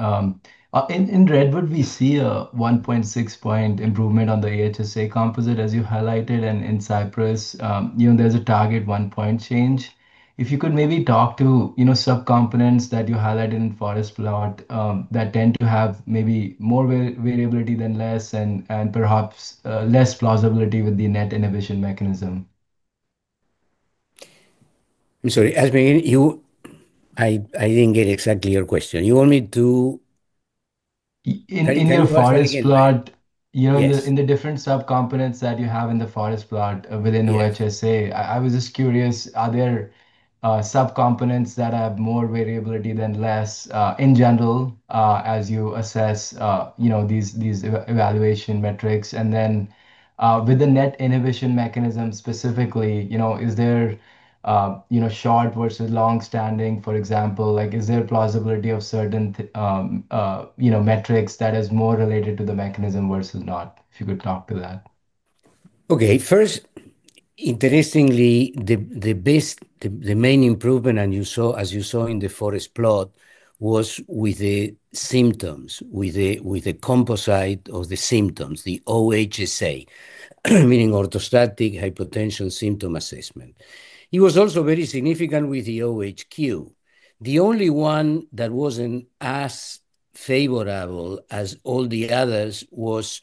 in Redwood, we see a 1.6-point improvement on the OHSA composite, as you highlighted, and in Cypress, there's a target one-point change. If you could maybe talk to subcomponents that you highlighted in forest plot that tend to have maybe more variability than less and perhaps less plausibility with the NET inhibition mechanism. I'm sorry. I didn't get exactly your question. You want me to. In the forest plot, in the different subcomponents that you have in the forest plot within OHSA, I was just curious, are there subcomponents that have more variability than less in general as you assess these evaluation metrics? And then with the NET inhibition mechanism specifically, is there short versus long-standing, for example, is there plausibility of certain metrics that are more related to the mechanism versus not? If you could talk to that. Okay. First, interestingly, the main improvement, as you saw in the forest plot, was with the symptoms, with the composite of the symptoms, the OHSA, meaning Orthostatic Hypotension Symptom Assessment. It was also very significant with the OHQ. The only one that wasn't as favorable as all the others was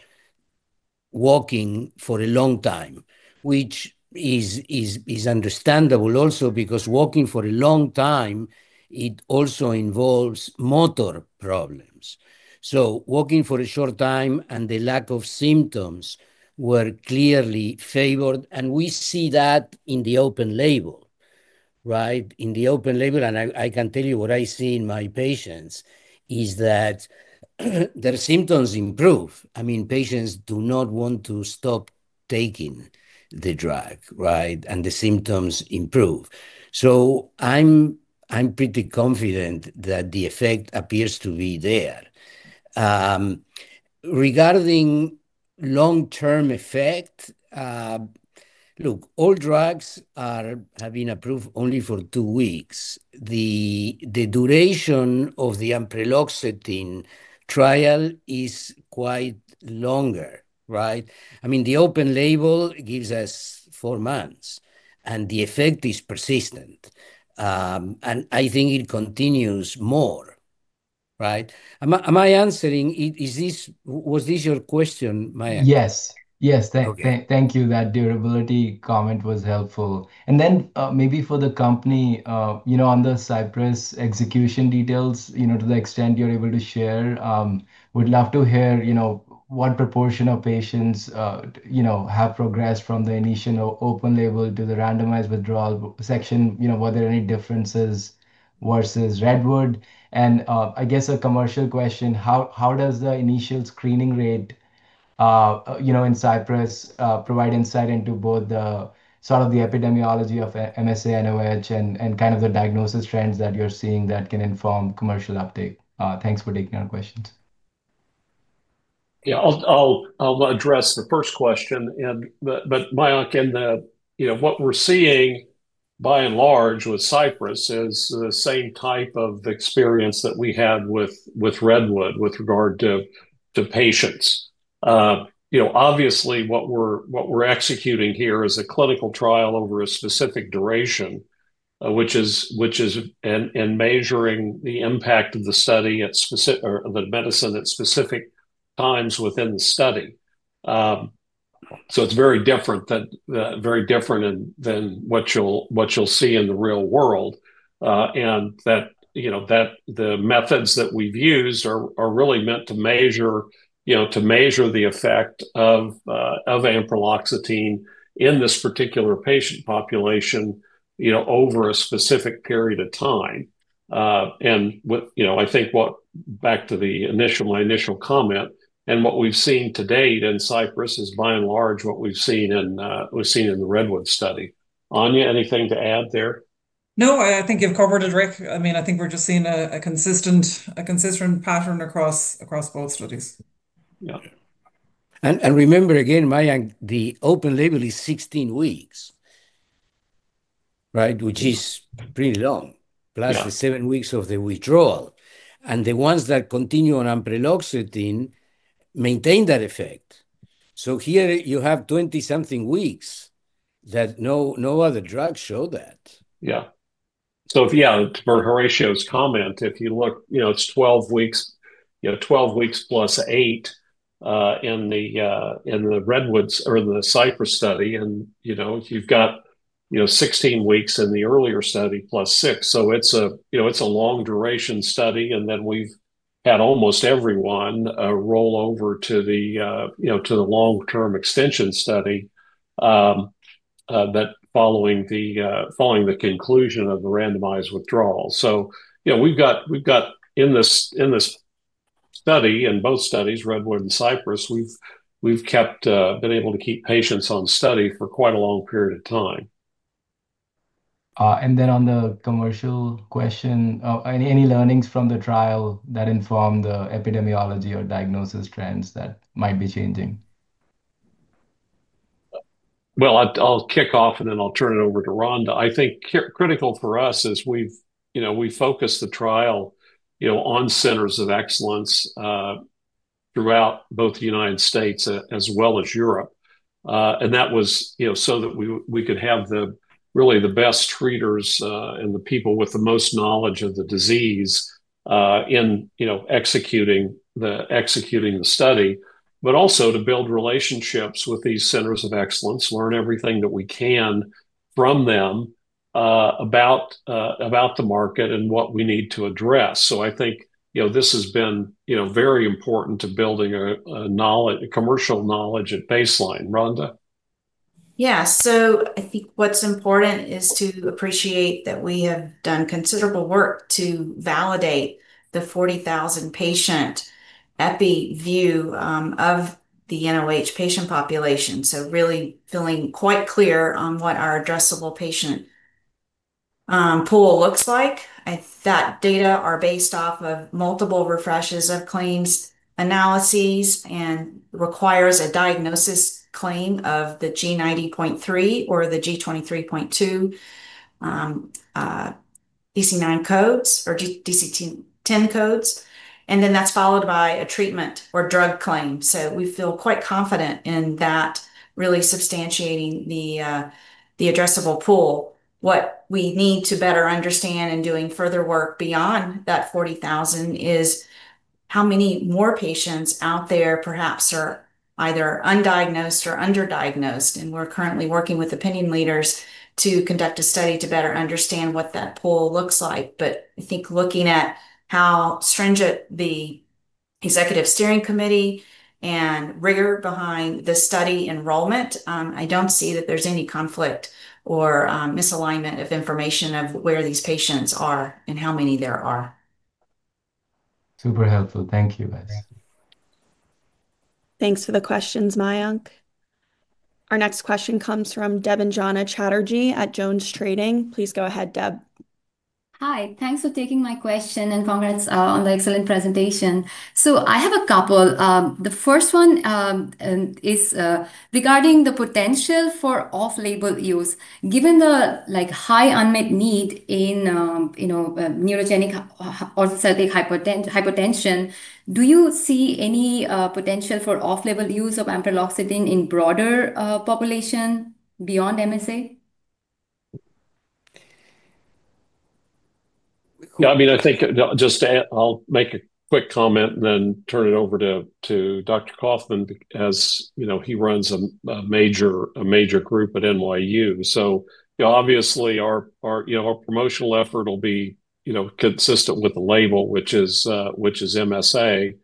walking for a long time, which is understandable also because walking for a long time, it also involves motor problems. So walking for a short time and the lack of symptoms were clearly favored, and we see that in the open label, right? In the open label, and I can tell you what I see in my patients is that their symptoms improve. I mean, patients do not want to stop taking the drug, right? And the symptoms improve. So I'm pretty confident that the effect appears to be there. Regarding long-term effect, look, all drugs have been approved only for two weeks. The duration of the ampreloxetine trial is quite longer, right? I mean, the open label gives us four months, and the effect is persistent. And I think it continues more, right? Am I answering, was this your question, Mayank? Yes. Yes. Thank you. That durability comment was helpful. And then maybe for the company, on the Cypress execution details, to the extent you're able to share, would love to hear what proportion of patients have progressed from the initial open label to the randomized withdrawal section, whether any differences versus Redwood. And I guess a commercial question, how does the initial screening rate in Cypress provide insight into both sort of the epidemiology of MSA and OH and kind of the diagnosis trends that you're seeing that can inform commercial uptake? Thanks for taking our questions. Yeah. I'll address the first question. But, Mayank, what we're seeing by and large with Cypress is the same type of experience that we had with Redwood with regard to patients. Obviously, what we're executing here is a clinical trial over a specific duration, which is in measuring the impact of the study or the medicine at specific times within the study. So it's very different than what you'll see in the real world, and that the methods that we've used are really meant to measure the effect of ampreloxetine in this particular patient population over a specific period of time. I think back to my initial comment, and what we've seen to date in Cypress is by and large what we've seen in the Redwood study. Áine, anything to add there? No. I think you've covered it, Rick. I mean, I think we're just seeing a consistent pattern across both studies. Yeah. Remember, again, Mayank, the open label is 16 weeks, right, which is pretty long, plus the seven weeks of the withdrawal. The ones that continue on ampreloxetine maintain that effect. So here you have 20-something weeks that no other drug showed that. Yeah. So yeah, to Horacio's comment, if you look, it's 12 weeks plus 8 in the Redwood or the Cypress study. And you've got 16 weeks in the earlier study plus 6. So it's a long-duration study. And then we've had almost everyone roll over to the long-term extension study following the conclusion of the randomized withdrawal. So we've got in this study, in both studies, Redwood and Cypress, we've been able to keep patients on study for quite a long period of time. And then on the commercial question, any learnings from the trial that inform the epidemiology or diagnosis trends that might be changing? Well, I'll kick off, and then I'll turn it over to Rhonda. I think critical for us is we focused the trial on centers of excellence throughout both the United States as well as Europe, and that was so that we could have really the best treaters and the people with the most knowledge of the disease in executing the study, but also to build relationships with these centers of excellence, learn everything that we can from them about the market and what we need to address, so I think this has been very important to building a commercial knowledge at baseline. Rhonda? Yeah, so I think what's important is to appreciate that we have done considerable work to validate the 40,000-patient epi view of the NOH patient population. So really feeling quite clear on what our addressable patient pool looks like. That data are based off of multiple refreshes of claims analyses and requires a diagnosis claim of the G90.3 or the G23.2 ICD-9 codes or ICD-10 codes, and then that's followed by a treatment or drug claim, so we feel quite confident in that really substantiating the addressable pool. What we need to better understand in doing further work beyond that 40,000 is how many more patients out there perhaps are either undiagnosed or underdiagnosed, and we're currently working with opinion leaders to conduct a study to better understand what that pool looks like, but I think looking at how stringent the executive steering committee and rigor behind the study enrollment, I don't see that there's any conflict or misalignment of information of where these patients are and how many there are. Super helpful. Thank you, guys. Thanks for the questions, Mayank. Our next question comes from Debanjana Chatterjee at JonesTrading. Please go ahead, Deb. Hi. Thanks for taking my question and congrats on the excellent presentation. So I have a couple. The first one is regarding the potential for off-label use. Given the high unmet need in neurogenic orthostatic hypotension, do you see any potential for off-label use of ampreloxetine in broader population beyond MSA? Yeah. I mean, I think just I'll make a quick comment and then turn it over to Dr. Kaufmann as he runs a major group at NYU. So obviously, our promotional effort will be consistent with the label, which is MSA.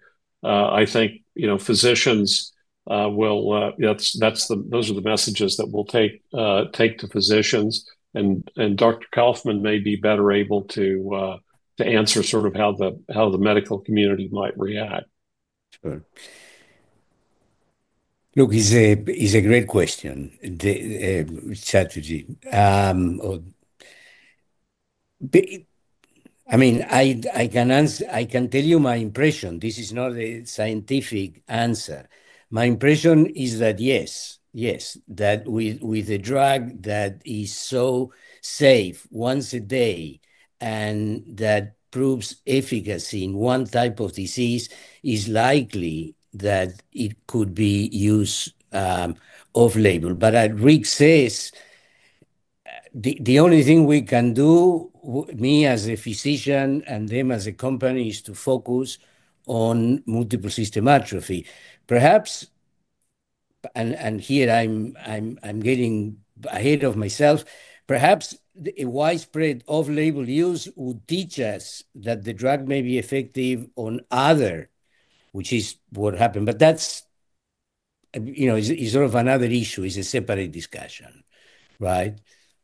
I think physicians will. Those are the messages that we'll take to physicians. And Dr. Kaufmann may be better able to answer sort of how the medical community might react. Sure. Look, it's a great question, Chatterjee. I mean, I can tell you my impression. This is not a scientific answer. My impression is that, yes, yes, that with a drug that is so safe once a day and that proves efficacy in one type of disease, it's likely that it could be used off-label. But as Rick says, the only thing we can do, me as a physician and them as a company, is to focus on multiple system atrophy. Perhaps, and here I'm getting ahead of myself, perhaps a widespread off-label use would teach us that the drug may be effective on other, which is what happened. But that is sort of another issue. It's a separate discussion, right?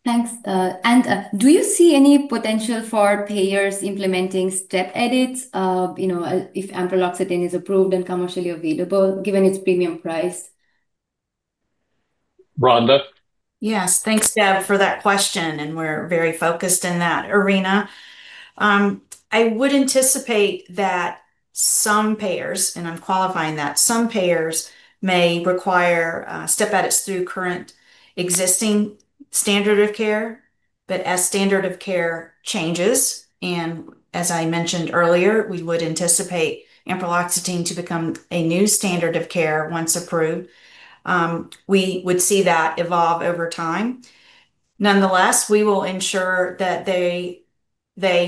Thanks. And do you see any potential for payers implementing step edits if ampreloxetine is approved and commercially available, given its premium price? Rhonda? Yes. Thanks, Deb, for that question. And we're very focused in that arena. I would anticipate that some payers, and I'm qualifying that, some payers may require step edits through current existing standard of care. But as standard of care changes, and as I mentioned earlier, we would anticipate ampreloxetine to become a new standard of care once approved. We would see that evolve over time. Nonetheless, we will ensure that they,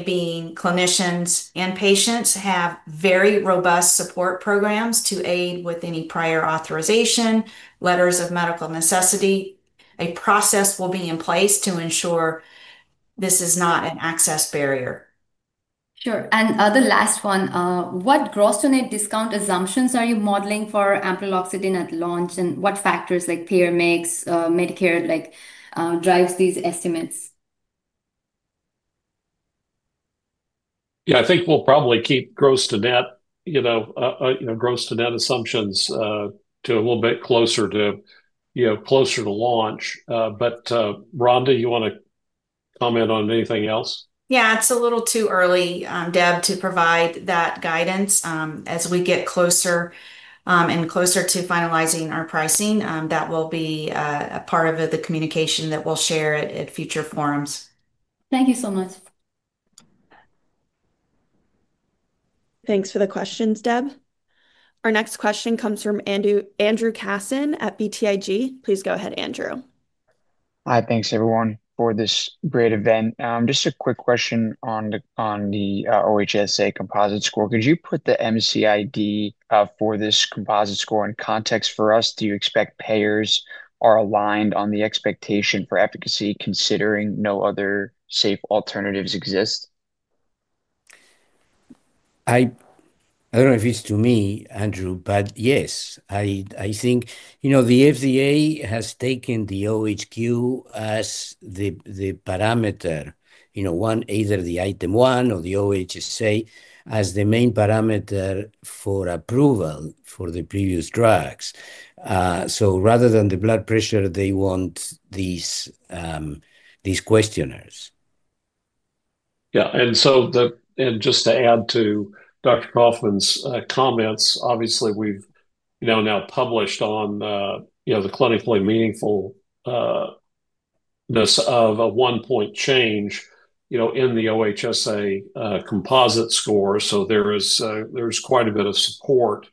being clinicians and patients, have very robust support programs to aid with any prior authorization, letters of medical necessity. A process will be in place to ensure this is not an access barrier. Sure. And the last one, what gross-to-net discount assumptions are you modeling for ampreloxetine at launch? And what factors like payer mix, Medicare drives these estimates? Yeah. I think we'll probably keep gross-to-net assumptions to a little bit closer to launch. But, Rhonda, you want to comment on anything else? Yeah. It's a little too early, Deb, to provide that guidance. As we get closer and closer to finalizing our pricing, that will be a part of the communication that we'll share at future forums. Thank you so much. Thanks for the questions, Deb. Our next question comes from Andrew Kassin at BTIG. Please go ahead, Andrew. Hi. Thanks, everyone, for this great event. Just a quick question on the OHSA composite score. Could you put the MCID for this composite score in context for us? Do you expect payers are aligned on the expectation for efficacy considering no other safe alternatives exist? I don't know if it's to me, Andrew, but yes. I think the FDA has taken the OHQ as the parameter, either the item one or the OHSA, as the main parameter for approval for the previous drugs. So rather than the blood pressure, they want these questionnaires. Yeah. And just to add to Dr. Kaufmann's comments, obviously, we've now published on the clinical meaningfulness of a one-point change in the OHSA composite score. So there's quite a bit of support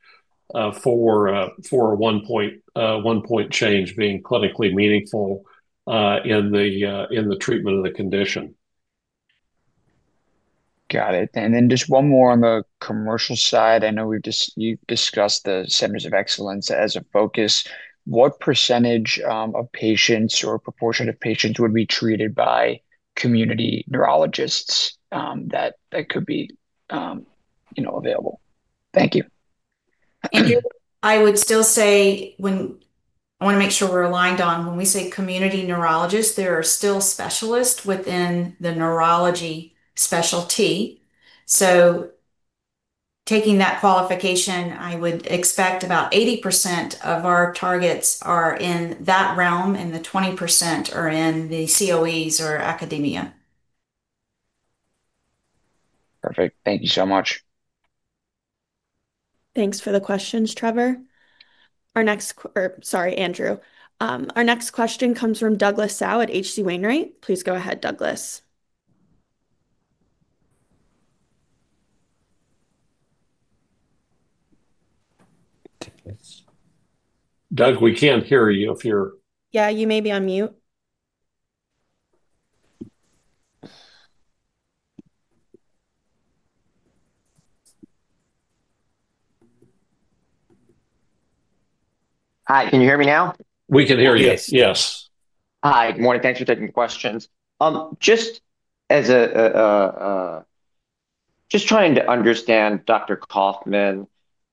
for a one-point change being clinically meaningful in the treatment of the condition. Got it. And then just one more on the commercial side. I know you've discussed the centers of excellence as a focus. What percentage of patients or a proportion of patients would be treated by community neurologists that could be available? Thank you. Thank you. I would still say I want to make sure we're aligned on when we say community neurologists, there are still specialists within the neurology specialty. So taking that qualification, I would expect about 80% of our targets are in that realm, and the 20% are in the COEs or academia. Perfect. Thank you so much. Thanks for the questions, Trevor. Our next—sorry, Andrew. Our next question comes from Douglas Tsao at H.C. Wainwright. Please go ahead, Douglas. Doug, we can't hear you if you're. Yeah, you may be on mute. Hi. Can you hear me now? We can hear you. Yes. Yes. Hi. Good morning. Thanks for taking the questions. Just trying to understand, Dr. Kaufmann,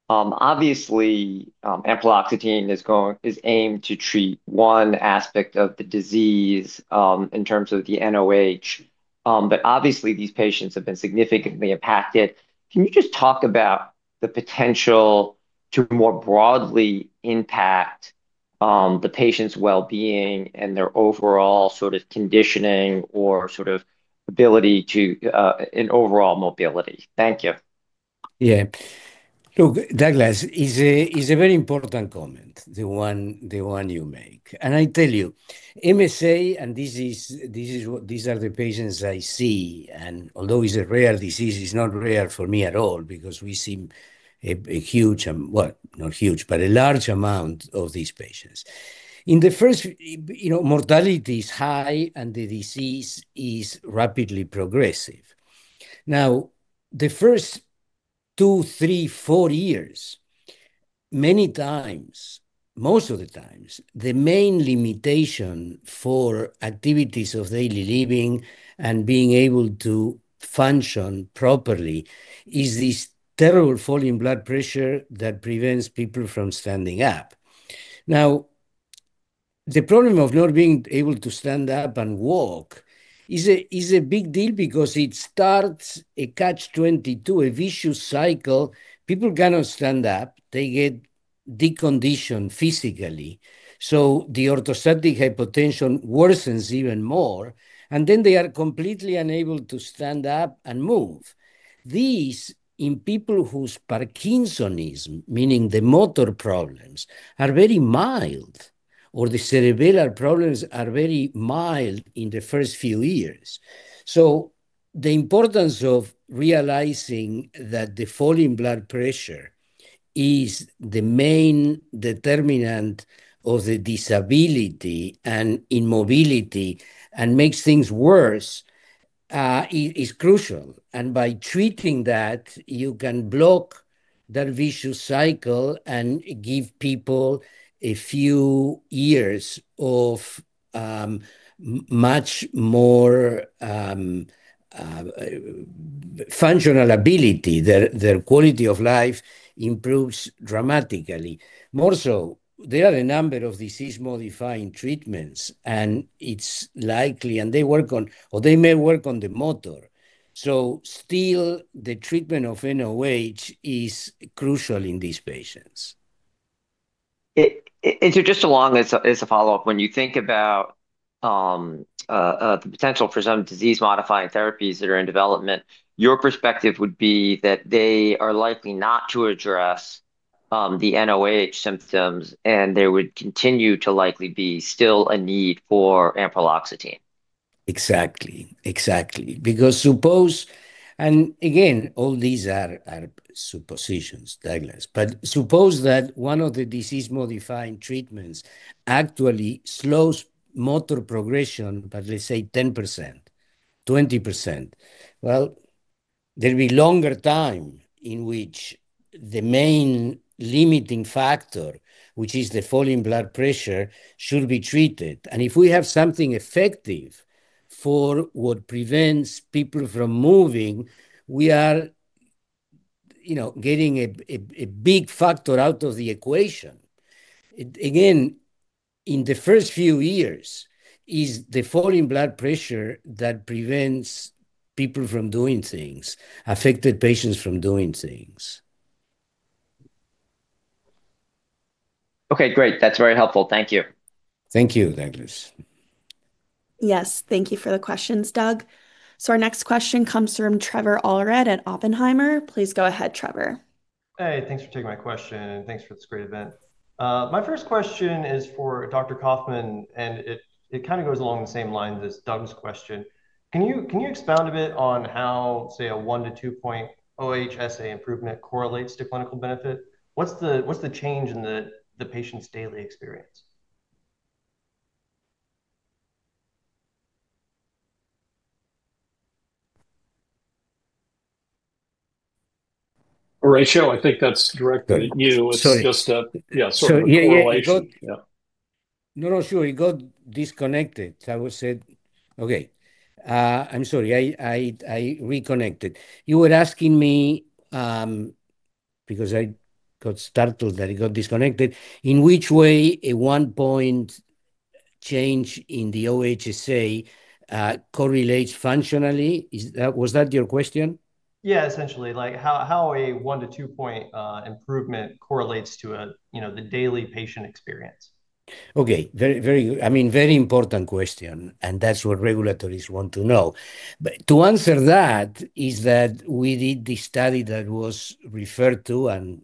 obviously, ampreloxetine is aimed to treat one aspect of the disease in terms of the NOH. But obviously, these patients have been significantly impacted. Can you just talk about the potential to more broadly impact the patient's well-being and their overall sort of conditioning or sort of ability to—and overall mobility? Thank you. Yeah. Look, Douglas, it's a very important comment, the one you make. And I tell you, MSA, and these are the patients I see. And although it's a rare disease, it's not rare for me at all because we see a huge, well, not huge, but a large amount of these patients. In the first, mortality is high, and the disease is rapidly progressive. Now, the first two, three, four years, many times, most of the times, the main limitation for activities of daily living and being able to function properly is this terrible fall in blood pressure that prevents people from standing up. Now, the problem of not being able to stand up and walk is a big deal because it starts a Catch-22, a vicious cycle. People cannot stand up. They get deconditioned physically. So the orthostatic hypotension worsens even more. And then they are completely unable to stand up and move. These, in people whose parkinsonism, meaning the motor problems, are very mild, or the cerebellar problems are very mild in the first few years, so the importance of realizing that the fall in blood pressure is the main determinant of the disability and immobility and makes things worse is crucial, and by treating that, you can block that vicious cycle and give people a few years of much more functional ability. Their quality of life improves dramatically. More so, there are a number of disease-modifying treatments, and it's likely, and they may work on the motor, so still, the treatment of NOH is crucial in these patients. And just as a follow-up, when you think about the potential for some disease-modifying therapies that are in development, your perspective would be that they are likely not to address the NOH symptoms, and there would continue to likely be still a need for ampreloxetine? Exactly. Exactly. Because suppose, and again, all these are suppositions, Douglas, but suppose that one of the disease-modifying treatments actually slows motor progression, but let's say 10%, 20%. Well, there'll be a longer time in which the main limiting factor, which is the fall in blood pressure, should be treated. And if we have something effective for what prevents people from moving, we are getting a big factor out of the equation. Again, in the first few years, it's the fall in blood pressure that prevents people from doing things, affected patients from doing things. Okay. Great. That's very helpful. Thank you. Thank you, Douglas. Yes. Thank you for the questions, Doug. So our next question comes from Trevor Allred at Oppenheimer. Please go ahead, Trevor. Hey, thanks for taking my question. And thanks for this great event. My first question is for Dr. Kaufmann, and it kind of goes along the same lines as Doug's question. Can you expound a bit on how, say, a one- to two-point OHSA improvement correlates to clinical benefit? What's the change in the patient's daily experience? Rachel, I think that's directly you. It's just a sort of a correlation. It got disconnected. I'm sorry. I reconnected. You were asking me because I got startled that it got disconnected. In which way a one-point change in the OHSA correlates functionally? Was that your question? Yeah, essentially. How a one- to two-point improvement correlates to the daily patient experience? Okay. Very good. I mean, very important question, and that's what regulators want to know. To answer that is that we did this study that was referred to, and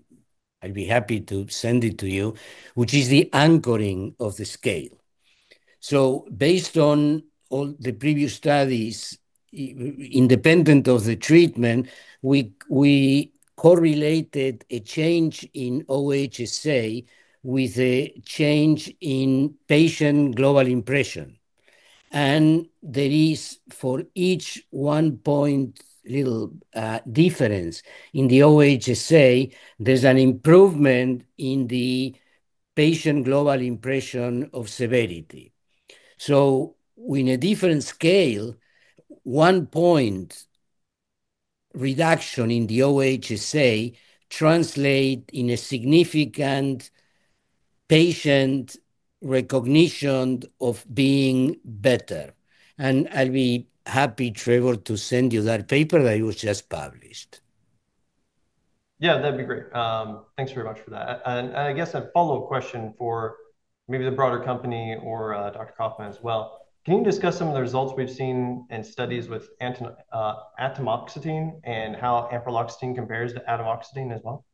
I'd be happy to send it to you, which is the anchoring of the scale. So based on all the previous studies, independent of the treatment, we correlated a change in OHSA with a change in Patient Global Impression. And there is, for each one-point little difference in the OHSA, there's an improvement in the Patient Global Impression of Severity. So in a different scale, one-point reduction in the OHSA translates in a significant patient recognition of being better. And I'll be happy, Trevor, to send you that paper that was just published. Yeah. That'd be great. Thanks very much for that, and I guess a follow-up question for maybe the broader company or Dr. Kaufmann as well. Can you discuss some of the results we've seen in studies with atomoxetine and how ampreloxetine compares to atomoxetine as well?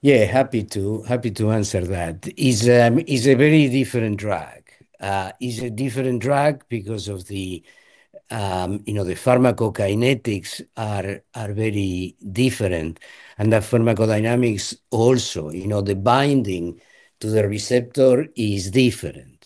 Yeah. Happy to answer that. It's a very different drug. It's a different drug because of the pharmacokinetics are very different, and the pharmacodynamics also, the binding to the receptor is different.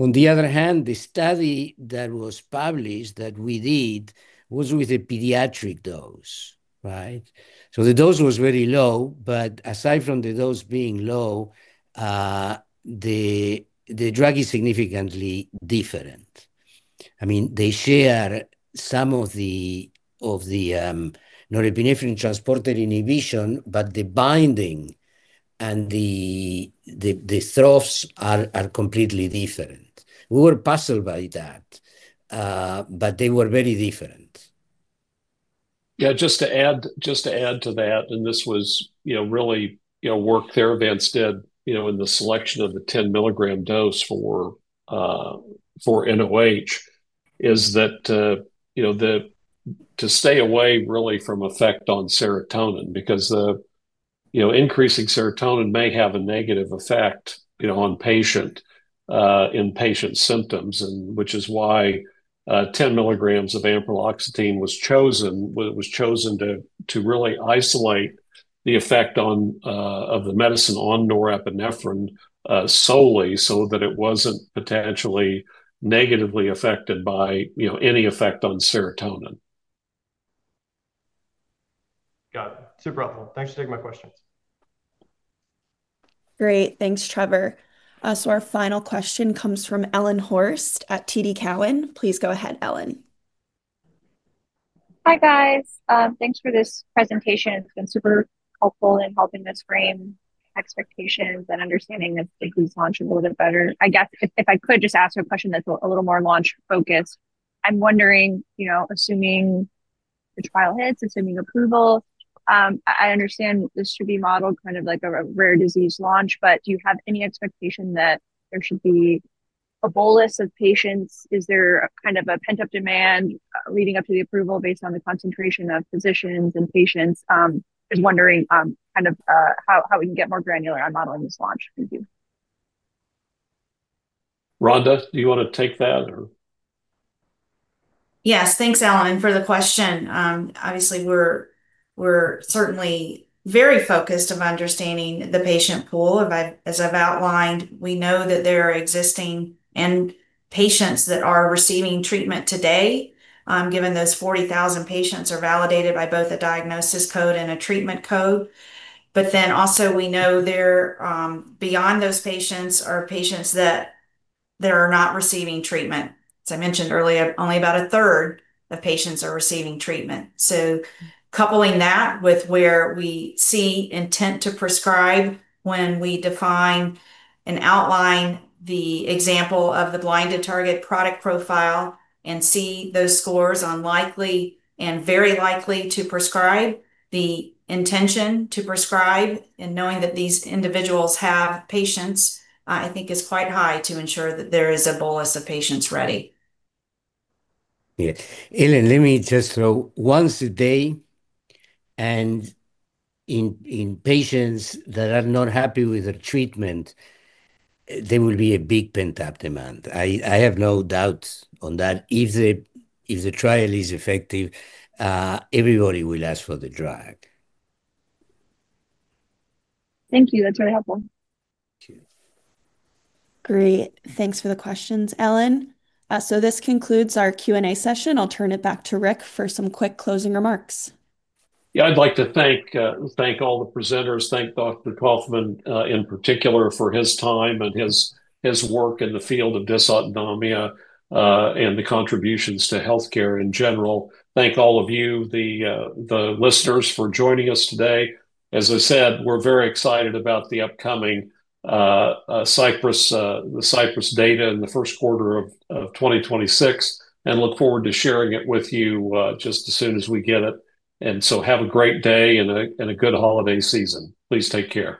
On the other hand, the study that was published that we did was with a pediatric dose, right? So the dose was very low, but aside from the dose being low, the drug is significantly different. I mean, they share some of the norepinephrine transporter inhibition, but the binding and the thrust are completely different. We were puzzled by that, but they were very different. Yeah. Just to add to that, and this was really work Theravance in the selection of the 10-milligram dose for NOH is that to stay away really from effect on serotonin because increasing serotonin may have a negative effect on patient symptoms, which is why 10 milligrams of ampreloxetine was chosen to really isolate the effect of the medicine on norepinephrine solely so that it wasn't potentially negatively affected by any effect on serotonin. Got it. Super helpful. Thanks for taking my questions. Great. Thanks, Trevor. So our final question comes from Ellen Horste at TD Cowen. Please go ahead, Ellen. Hi, guys. Thanks for this presentation. It's been super helpful in helping us frame expectations and understanding of the disease launch a little bit better. I guess if I could just ask a question that's a little more launch-focused. I'm wondering, assuming the trial hits, assuming approval, I understand this should be modeled kind of like a rare disease launch, but do you have any expectation that there should be a bolus of patients? Is there kind of a pent-up demand leading up to the approval based on the concentration of physicians and patients? Just wondering kind of how we can get more granular on modeling this launch. Thank you. Rhonda, do you want to take that or? Yes. Thanks, Ellen, for the question. Obviously, we're certainly very focused on understanding the patient pool. As I've outlined, we know that there are existing patients that are receiving treatment today, given those 40,000 patients are validated by both a diagnosis code and a treatment code. But then also, we know beyond those patients are patients that are not receiving treatment. As I mentioned earlier, only about a third of patients are receiving treatment. So coupling that with where we see intent to prescribe when we define and outline the example of the blinded target product profile and see those scores on likely and very likely to prescribe, the intention to prescribe and knowing that these individuals have patients, I think is quite high to ensure that there is a bolus of patients ready. Yeah. Ellen, let me just throw once a day. And in patients that are not happy with their treatment, there will be a big pent-up demand. I have no doubts on that. If the trial is effective, everybody will ask for the drug. Thank you. That's really helpful. Great. Thanks for the questions, Ellen. So this concludes our Q&A session. I'll turn it back to Rick for some quick closing remarks. Yeah. I'd like to thank all the presenters. Thank Dr. Kaufmann in particular for his time and his work in the field of dysautonomia and the contributions to healthcare in general. Thank all of you, the listeners, for joining us today. As I said, we're very excited about the upcoming Cypress data in the first quarter of 2026 and look forward to sharing it with you just as soon as we get it, and so have a great day and a good holiday season. Please take care.